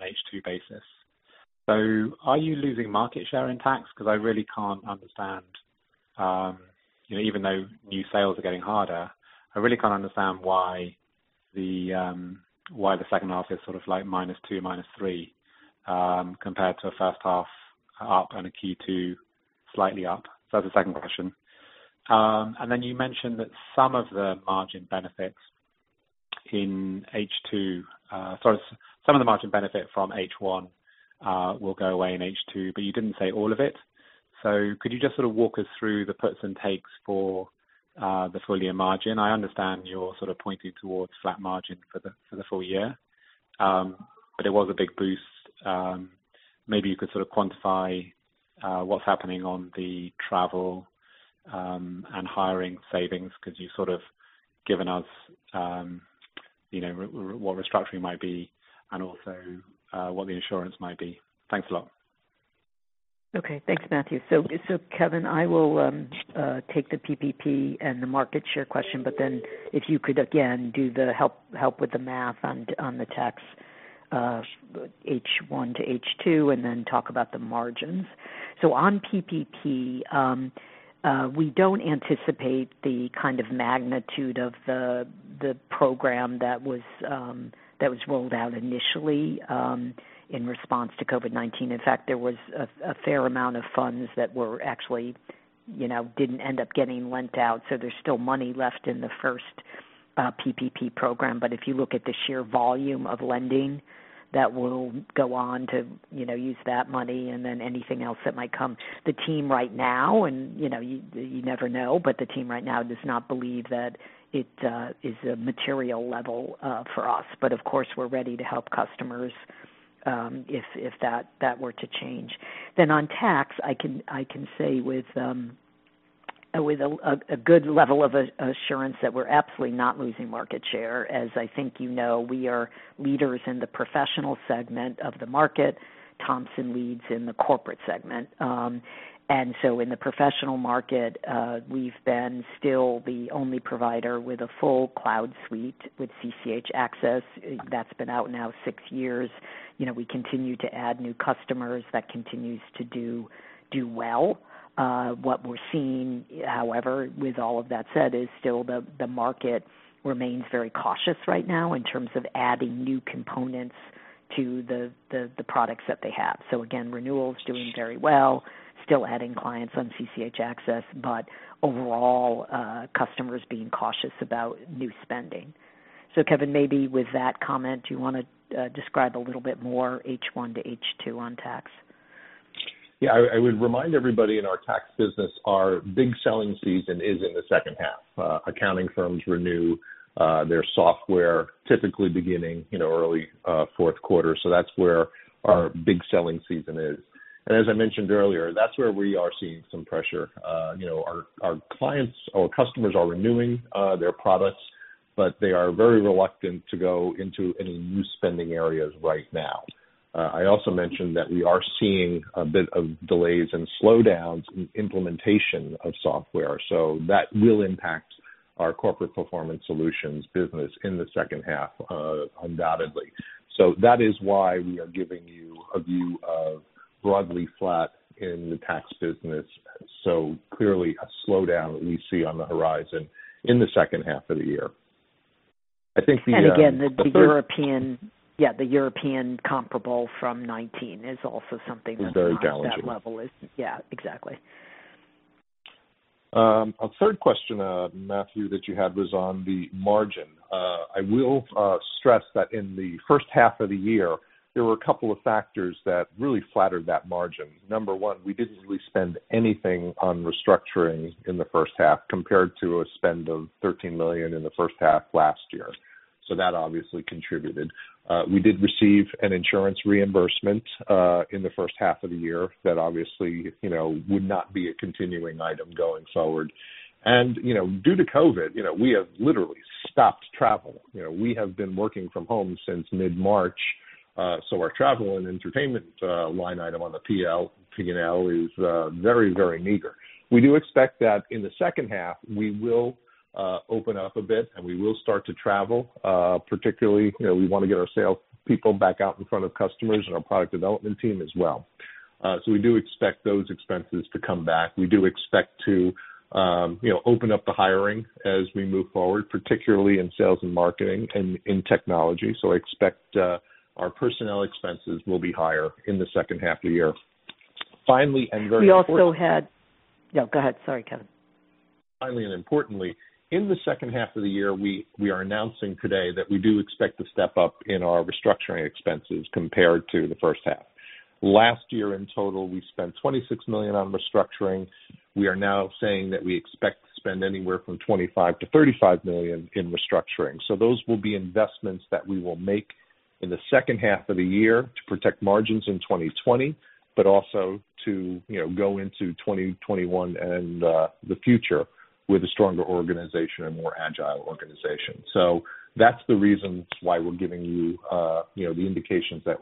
H2 basis. Are you losing market share in tax? Because I really can't understand, even though new sales are getting harder, I really can't understand why the second half is sort of like -2%, -3%, compared to a first half up and a Q2 slightly up. That's the second question. You mentioned that some of the margin benefit from H1 will go away in H2, but you didn't say all of it. Could you just sort of walk us through the puts and takes for the full year margin? I understand you're sort of pointing towards flat margin for the full year, but it was a big boost. Maybe you could sort of quantify what's happening on the travel and hiring savings, because you've sort of given us what restructuring might be and also what the insurance might be. Thanks a lot. Okay. Thanks, Matthew. Kevin, I will take the PPP and the market share question, if you could again do the help with the math on the tax H1 to H2, talk about the margins. On PPP, we don't anticipate the kind of magnitude of the program that was rolled out initially in response to COVID-19. In fact, there was a fair amount of funds that were actually didn't end up getting lent out, so there's still money left in the first PPP program. If you look at the sheer volume of lending that will go on to use that money anything else that might come. The team right now, you never know, the team right now does not believe that it is a material level for us. Of course, we're ready to help customers if that were to change. On tax, I can say with a good level of assurance that we're absolutely not losing market share. As I think you know, we are leaders in the professional segment of the market. Thomson Reuters leads in the corporate segment. In the professional market, we've been still the only provider with a full cloud suite with CCH Axcess. That's been out now six years. We continue to add new customers. That continues to do well. What we're seeing, however, with all of that said, is still the market remains very cautious right now in terms of adding new components to the products that they have. Again, renewals doing very well, still adding clients on CCH Axcess, but overall, customers being cautious about new spending. Kevin, maybe with that comment, you want to describe a little bit more H1 to H2 on tax? Yeah, I would remind everybody in our tax business, our big selling season is in the second half. Accounting firms renew their software typically beginning early fourth quarter. That's where our big selling season is. As I mentioned earlier, that's where we are seeing some pressure. Our clients or customers are renewing their products. They are very reluctant to go into any new spending areas right now. I also mentioned that we are seeing a bit of delays and slowdowns in implementation of software. That will impact our Corporate Performance Solutions business in the second half, undoubtedly. That is why we are giving you a view of broadly flat in the tax business. Clearly, a slowdown that we see on the horizon in the second half of the year. Again, the European comparable from 2019 is also something that's not. Is very challenging. that level is Yeah, exactly. A third question, Matthew, that you had was on the margin. I will stress that in the first half of the year, there were a couple of factors that really flattered that margin. Number one, we didn't really spend anything on restructuring in the first half compared to a spend of 13 million in the first half last year. That obviously contributed. We did receive an insurance reimbursement in the first half of the year that obviously would not be a continuing item going forward. Due to COVID, we have literally stopped travel. We have been working from home since mid-March. Our travel and entertainment line item on the P&L is very meager. We do expect that in the second half, we will open up a bit, and we will start to travel. Particularly, we want to get our salespeople back out in front of customers and our product development team as well. We do expect those expenses to come back. We do expect to open up the hiring as we move forward, particularly in sales and marketing and in technology. Expect our personnel expenses will be higher in the second half of the year. We also had. Yeah, go ahead. Sorry, Kevin. Finally, importantly, in the second half of the year, we are announcing today that we do expect to step up in our restructuring expenses compared to the first half. Last year in total, we spent 26 million on restructuring. We are now saying that we expect to spend anywhere from 25 million-35 million in restructuring. Those will be investments that we will make in the second half of the year to protect margins in 2020, but also to go into 2021 and the future with a stronger organization, a more agile organization. That's the reason why we're giving you the indications that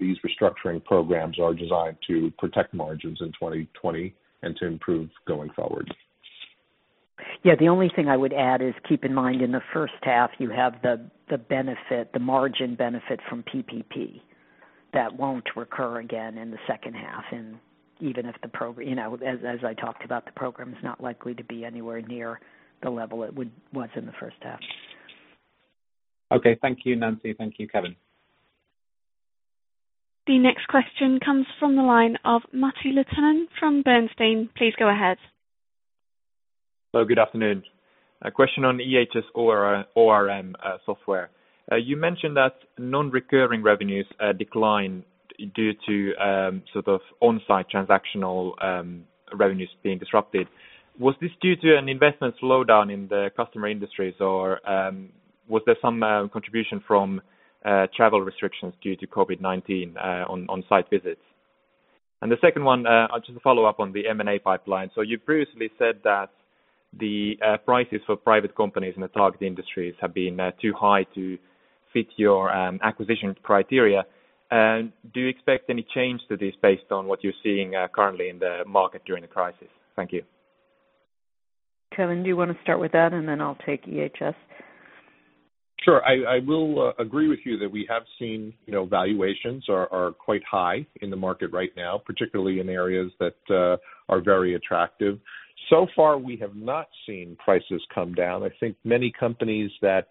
these restructuring programs are designed to protect margins in 2020 and to improve going forward. Yeah. The only thing I would add is keep in mind, in the first half, you have the margin benefit from PPP. That won't recur again in the second half, and even if the program, as I talked about, the program is not likely to be anywhere near the level it was in the first half. Okay. Thank you, Nancy. Thank you, Kevin. The next question comes from the line of Matti Littunen from Bernstein. Please go ahead. Hello. Good afternoon. A question on EHS ORM software. You mentioned that non-recurring revenues declined due to sort of on-site transactional revenues being disrupted. Was this due to an investment slowdown in the customer industries, or was there some contribution from travel restrictions due to COVID-19 on on-site visits? The second one, just a follow-up on the M&A pipeline. You previously said that the prices for private companies in the target industries have been too high to fit your acquisition criteria. Do you expect any change to this based on what you're seeing currently in the market during the crisis? Thank you. Kevin, do you want to start with that, and then I'll take EHS? Sure. I will agree with you that we have seen valuations are quite high in the market right now, particularly in areas that are very attractive. So far, we have not seen prices come down. I think many companies that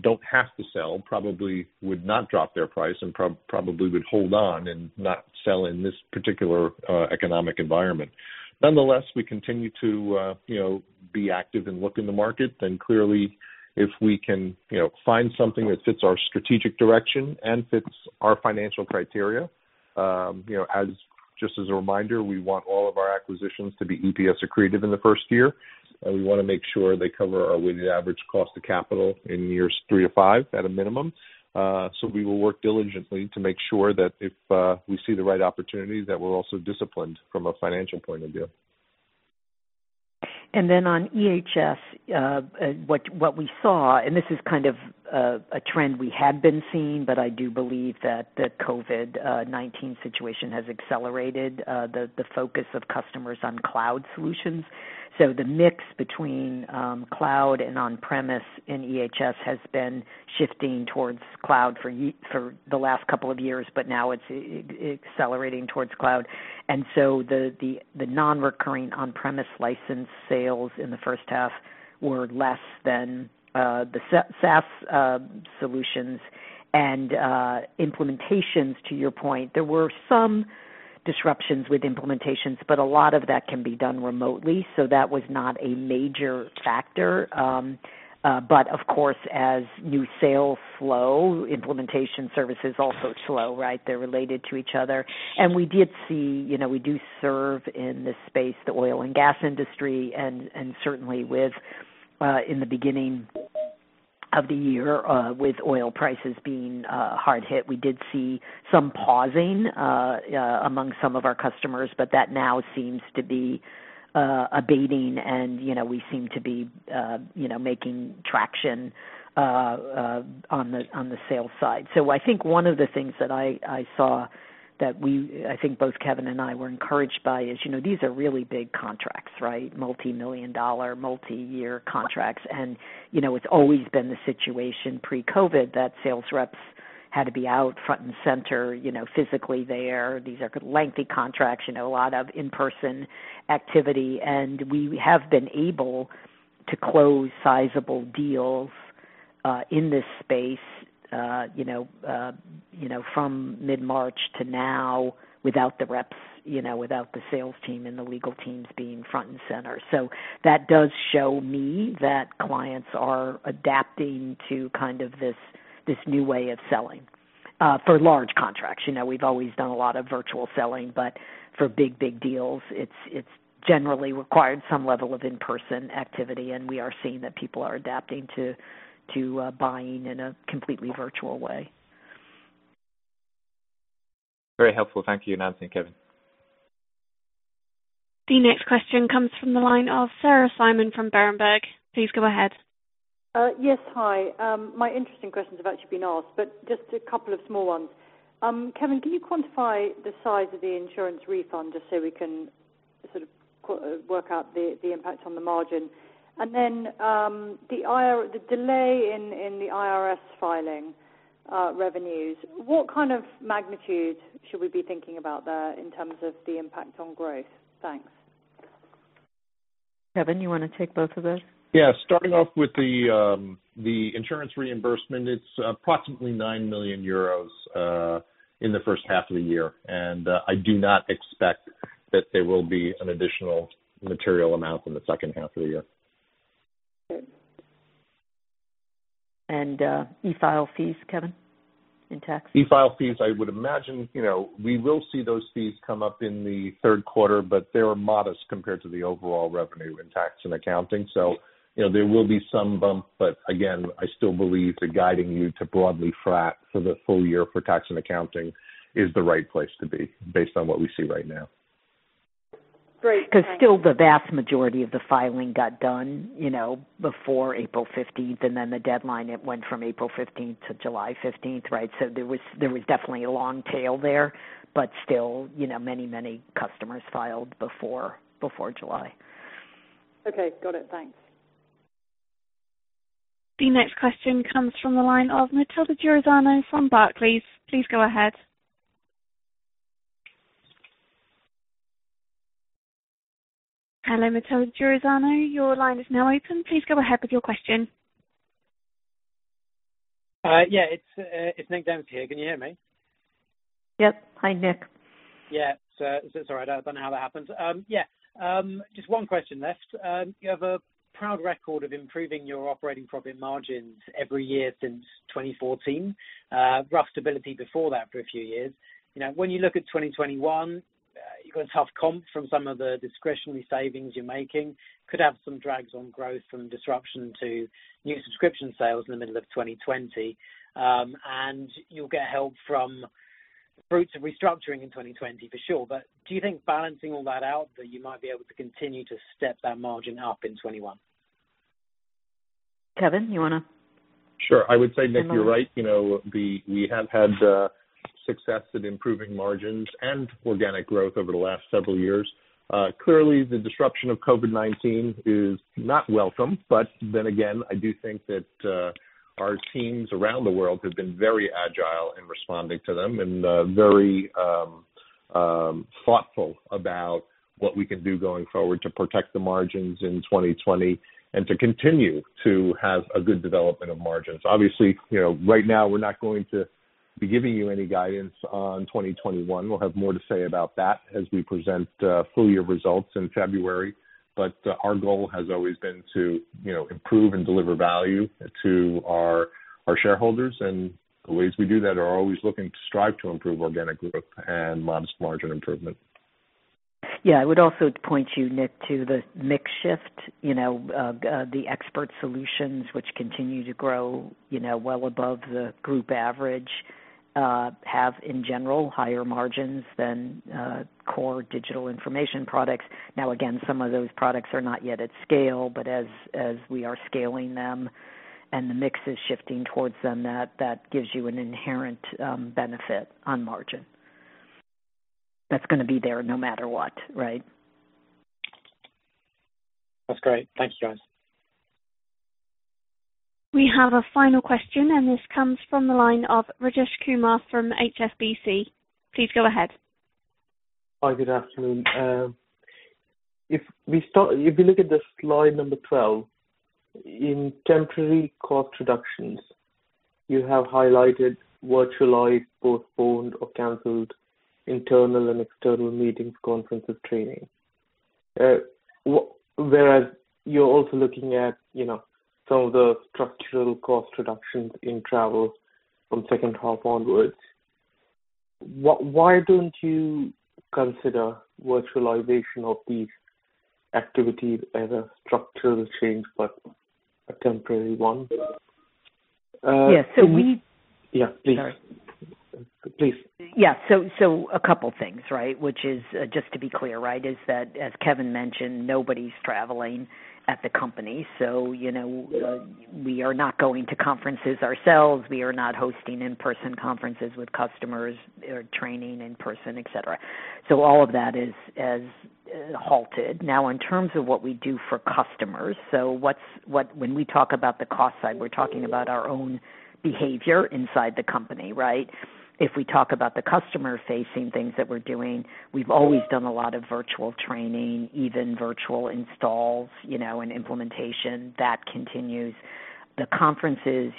don't have to sell probably would not drop their price and probably would hold on and not sell in this particular economic environment. Nonetheless, we continue to be active and look in the market. Clearly, if we can find something that fits our strategic direction and fits our financial criteria. Just as a reminder, we want all of our acquisitions to be EPS accretive in the first year, and we want to make sure they cover our weighted average cost of capital in years three to five at a minimum. We will work diligently to make sure that if we see the right opportunities, that we're also disciplined from a financial point of view. On EHS, what we saw, and this is kind of a trend we had been seeing, but I do believe that the COVID-19 situation has accelerated the focus of customers on cloud solutions. The mix between cloud and on-premise in EHS has been shifting towards cloud for the last couple of years, but now it's accelerating towards cloud. The non-recurring on-premise license sales in the first half were less than the SaaS solutions. Implementations, to your point, there were some disruptions with implementations, but a lot of that can be done remotely, so that was not a major factor. Of course, as new sales slow, implementation services also slow, right? They're related to each other. We do serve in this space, the oil and gas industry, and certainly with, in the beginning of the year, with oil prices being hard hit. We did see some pausing among some of our customers, but that now seems to be abating and we seem to be making traction on the sales side. I think one of the things that I saw that I think both Kevin Entricken and I were encouraged by is, these are really big contracts, right? Multi-million dollar, multi-year contracts. It's always been the situation pre-COVID that sales reps had to be out front and center, physically there. These are lengthy contracts, a lot of in-person activity. We have been able to close sizable deals in this space from mid-March to now without the reps, without the sales team and the legal teams being front and center. That does show me that clients are adapting to this new way of selling for large contracts. We've always done a lot of virtual selling, but for big deals, it's generally required some level of in-person activity, and we are seeing that people are adapting to buying in a completely virtual way. Very helpful. Thank you, Nancy and Kevin. The next question comes from the line of Sarah Simon from Berenberg. Please go ahead. Yes. Hi. My interesting questions have actually been asked, just a couple of small ones. Kevin, can you quantify the size of the insurance refund, just so we can sort of work out the impacts on the margin? The delay in the IRS filing revenues, what kind of magnitude should we be thinking about there in terms of the impact on growth? Thanks. Kevin, you want to take both of those? Yeah. Starting off with the insurance reimbursement, it's approximately 9 million euros in the first half of the year. I do not expect that there will be an additional material amount in the second half of the year. Good. e-file fees, Kevin, in tax? E-file fees, I would imagine, we will see those fees come up in the third quarter, but they were modest compared to the overall revenue in Tax & Accounting. There will be some bump, but again, I still believe the guiding you to broadly flat for the full year for Tax & Accounting is the right place to be based on what we see right now. Great. Thanks. Still the vast majority of the filing got done before April 15th, and then the deadline, it went from April 15th to July 15th, right. There was definitely a long tail there, but still, many customers filed before July. Okay. Got it. Thanks. The next question comes from the line of Nick Dempsey from Barclays. Please go ahead. Hello, Nick Dempsey, your line is now open. Please go ahead with your question. Yeah. It's Nick Dempsey here. Can you hear me? Yep. Hi, Nick. Yeah. Sorry, I don't know how that happened. Yeah. Just one question less. You have a proud record of improving your operating profit margins every year since 2014. Rough stability before that for a few years. When you look at 2021, you've got a tough comp from some of the discretionary savings you're making, could have some drags on growth from disruption to new subscription sales in the middle of 2020. You'll get help from fruits of restructuring in 2020 for sure. Do you think balancing all that out, that you might be able to continue to step that margin up in 2021? Kevin. Sure. I would say, Nick- comment on that? You're right. We have had success at improving margins and organic growth over the last several years. Clearly, the disruption of COVID-19 is not welcome, but then again, I do think that our teams around the world have been very agile in responding to them and very thoughtful about what we can do going forward to protect the margins in 2020 and to continue to have a good development of margins. Obviously, right now, we're not going to be giving you any guidance on 2021. We'll have more to say about that as we present full-year results in February. Our goal has always been to improve and deliver value to our shareholders. The ways we do that are always looking to strive to improve organic growth and modest margin improvement. Yeah. I would also point you, Nick, to the mix shift. The Expert Solutions which continue to grow well above the group average, have, in general, higher margins than core digital information products. Now, again, some of those products are not yet at scale, but as we are scaling them and the mix is shifting towards them, that gives you an inherent benefit on margin. That's going to be there no matter what, right? That's great. Thank you, guys. We have a final question, and this comes from the line of Rajesh Kumar from HSBC. Please go ahead. Hi, good afternoon. If you look at slide number 12, in temporary cost reductions, you have highlighted virtualized, postponed, or canceled internal and external meetings, conferences, training. Whereas you're also looking at some of the structural cost reductions in travel from second half onwards, why don't you consider virtualization of these activities as a structural change, but a temporary one? Yeah. Yeah, please. Sorry. Please. Yeah. A couple things, right? Which is, just to be clear, is that, as Kevin mentioned, nobody's traveling at the company. We are not going to conferences ourselves, we are not hosting in-person conferences with customers or training in person, et cetera. All of that is halted. Now, in terms of what we do for customers, so when we talk about the cost side, we're talking about our own behavior inside the company, right? If we talk about the customer-facing things that we're doing, we've always done a lot of virtual training, even virtual installs, and implementation. That continues. The conferences,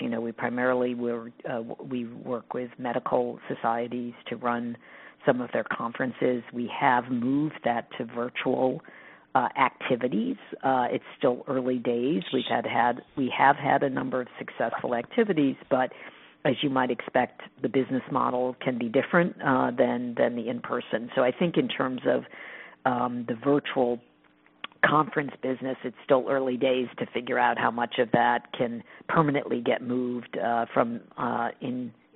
we work with medical societies to run some of their conferences. We have moved that to virtual activities. It's still early days. We have had a number of successful activities, but as you might expect, the business model can be different than the in-person. I think in terms of the virtual conference business, it's still early days to figure out how much of that can permanently get moved from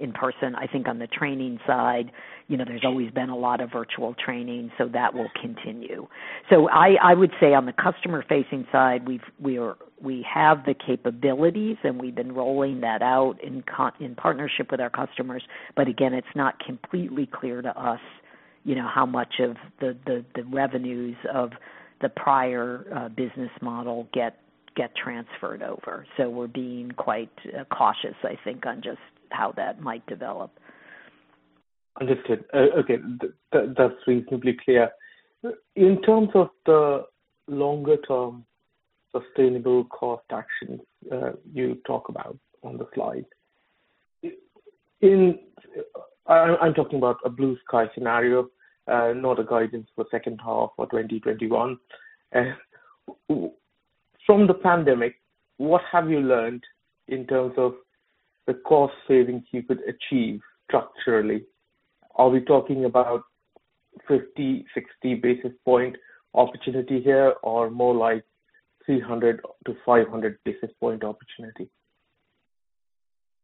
in-person. I think on the training side, there's always been a lot of virtual training, so that will continue. I would say on the customer-facing side, we have the capabilities, and we've been rolling that out in partnership with our customers. Again, it's not completely clear to us how much of the revenues of the prior business model get transferred over. We're being quite cautious, I think, on just how that might develop. Understood. Okay. That's reasonably clear. In terms of the longer-term sustainable cost actions you talk about on the slide, I'm talking about a blue sky scenario, not a guidance for second half or 2021. From the pandemic, what have you learned in terms of the cost savings you could achieve structurally? Are we talking about 50, 60 basis point opportunity here or more like 300-500 basis point opportunity?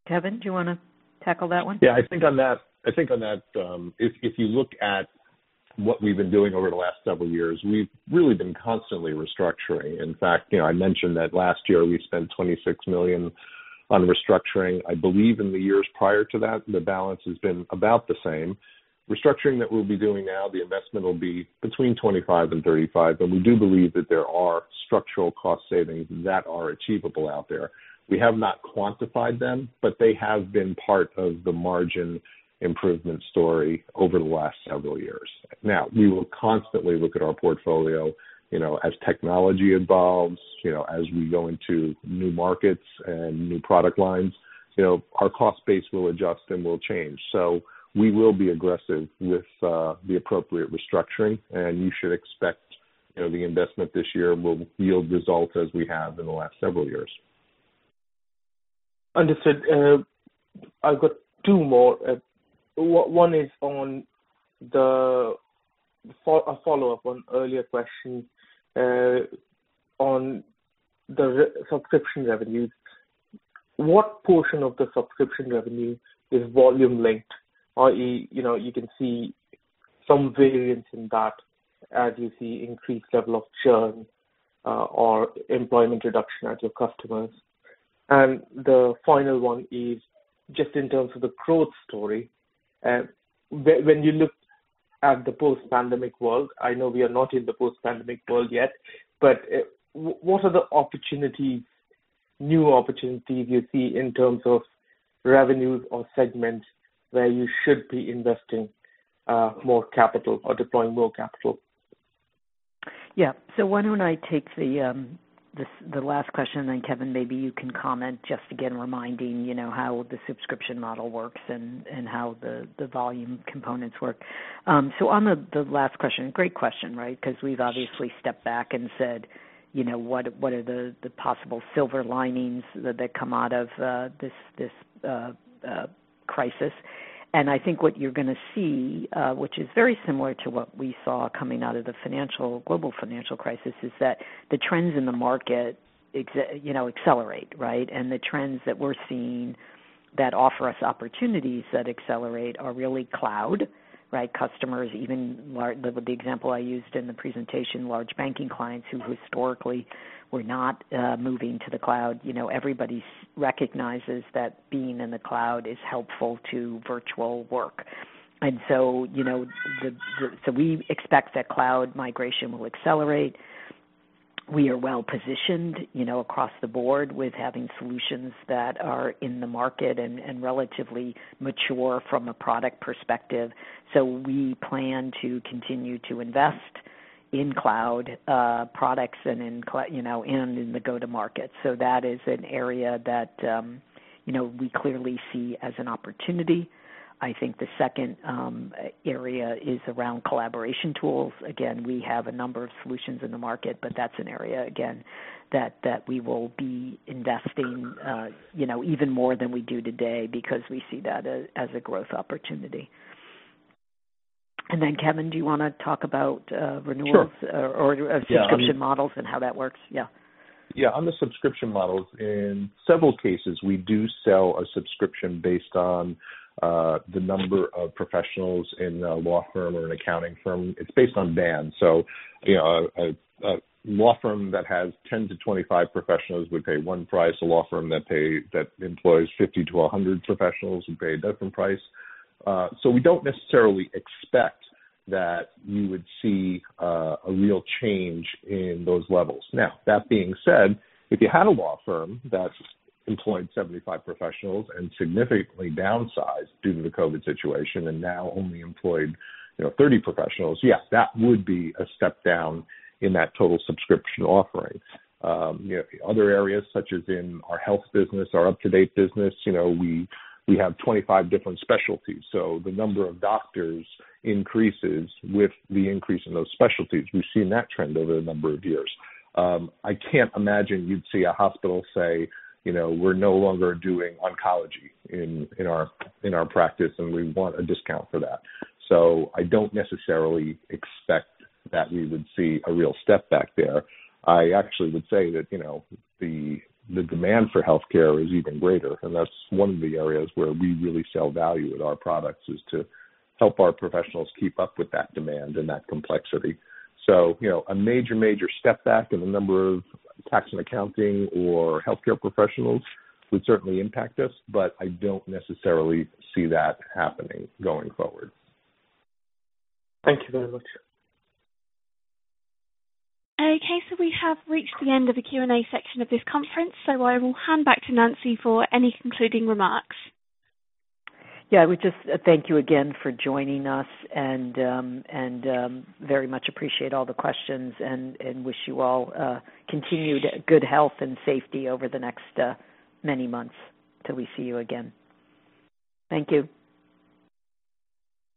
Kevin, do you want to tackle that one? Yeah, I think on that, if you look at what we've been doing over the last several years, we've really been constantly restructuring. In fact, I mentioned that last year we spent 26 million on restructuring. I believe in the years prior to that, the balance has been about the same. Restructuring that we'll be doing now, the investment will be between 25 and 35, but we do believe that there are structural cost savings that are achievable out there. We have not quantified them, but they have been part of the margin improvement story over the last several years. Now, we will constantly look at our portfolio, as technology evolves, as we go into new markets and new product lines. Our cost base will adjust and will change. We will be aggressive with the appropriate restructuring, and you should expect the investment this year will yield results as we have in the last several years. Understood. I've got two more. One is a follow-up on earlier question on the subscription revenues. What portion of the subscription revenue is volume linked, i.e., you can see some variance in that as you see increased level of churn or employment reduction at your customers? The final one is just in terms of the growth story, when you look at the post-pandemic world, I know we are not in the post-pandemic world yet, but what are the new opportunities you see in terms of revenues or segments where you should be investing more capital or deploying more capital? Yeah. Why don't I take the last question, and then Kevin, maybe you can comment, just again, reminding how the subscription model works and how the volume components work. On the last question, great question, right? We've obviously stepped back and said, "What are the possible silver linings that come out of this crisis?" I think what you're going to see, which is very similar to what we saw coming out of the global financial crisis, is that the trends in the market accelerate, right? The trends that we're seeing that offer us opportunities that accelerate are really cloud, right? The example I used in the presentation, large banking clients who historically were not moving to the cloud. Everybody recognizes that being in the cloud is helpful to virtual work. We expect that cloud migration will accelerate. We are well-positioned across the board with having solutions that are in the market and relatively mature from a product perspective. We plan to continue to invest in cloud products and in the go-to-market. That is an area that we clearly see as an opportunity. I think the second area is around collaboration tools. Again, we have a number of solutions in the market, but that's an area, again, that we will be investing even more than we do today because we see that as a growth opportunity. Kevin, do you want to talk about renewals? Sure or subscription models and how that works? Yeah. On the subscription models, in several cases, we do sell a subscription based on the number of professionals in a law firm or an accounting firm. It's based on band. A law firm that has 10 to 25 professionals would pay one price. A law firm that employs 50 to 100 professionals would pay a different price. We don't necessarily expect that you would see a real change in those levels. That being said, if you had a law firm that employed 75 professionals and significantly downsized due to the COVID situation and now only employed 30 professionals, yes, that would be a step down in that total subscription offering. Other areas such as in our Health business, our UpToDate business, we have 25 different specialties, the number of doctors increases with the increase in those specialties. We've seen that trend over a number of years. I can't imagine you'd see a hospital say, "We're no longer doing oncology in our practice, and we want a discount for that." I don't necessarily expect that we would see a real step back there. I actually would say that the demand for healthcare is even greater, and that's one of the areas where we really sell value with our products, is to help our professionals keep up with that demand and that complexity. A major step back in the number of tax and accounting or healthcare professionals would certainly impact us, but I don't necessarily see that happening going forward. Thank you very much. Okay. We have reached the end of the Q&A section of this conference, so I will hand back to Nancy for any concluding remarks. Yeah. We just thank you again for joining us and very much appreciate all the questions and wish you all continued good health and safety over the next many months till we see you again. Thank you.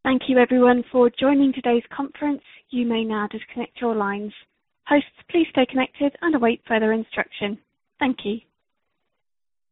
Thank you everyone for joining today's conference. You may now disconnect your lines. Hosts, please stay connected and await further instruction. Thank you.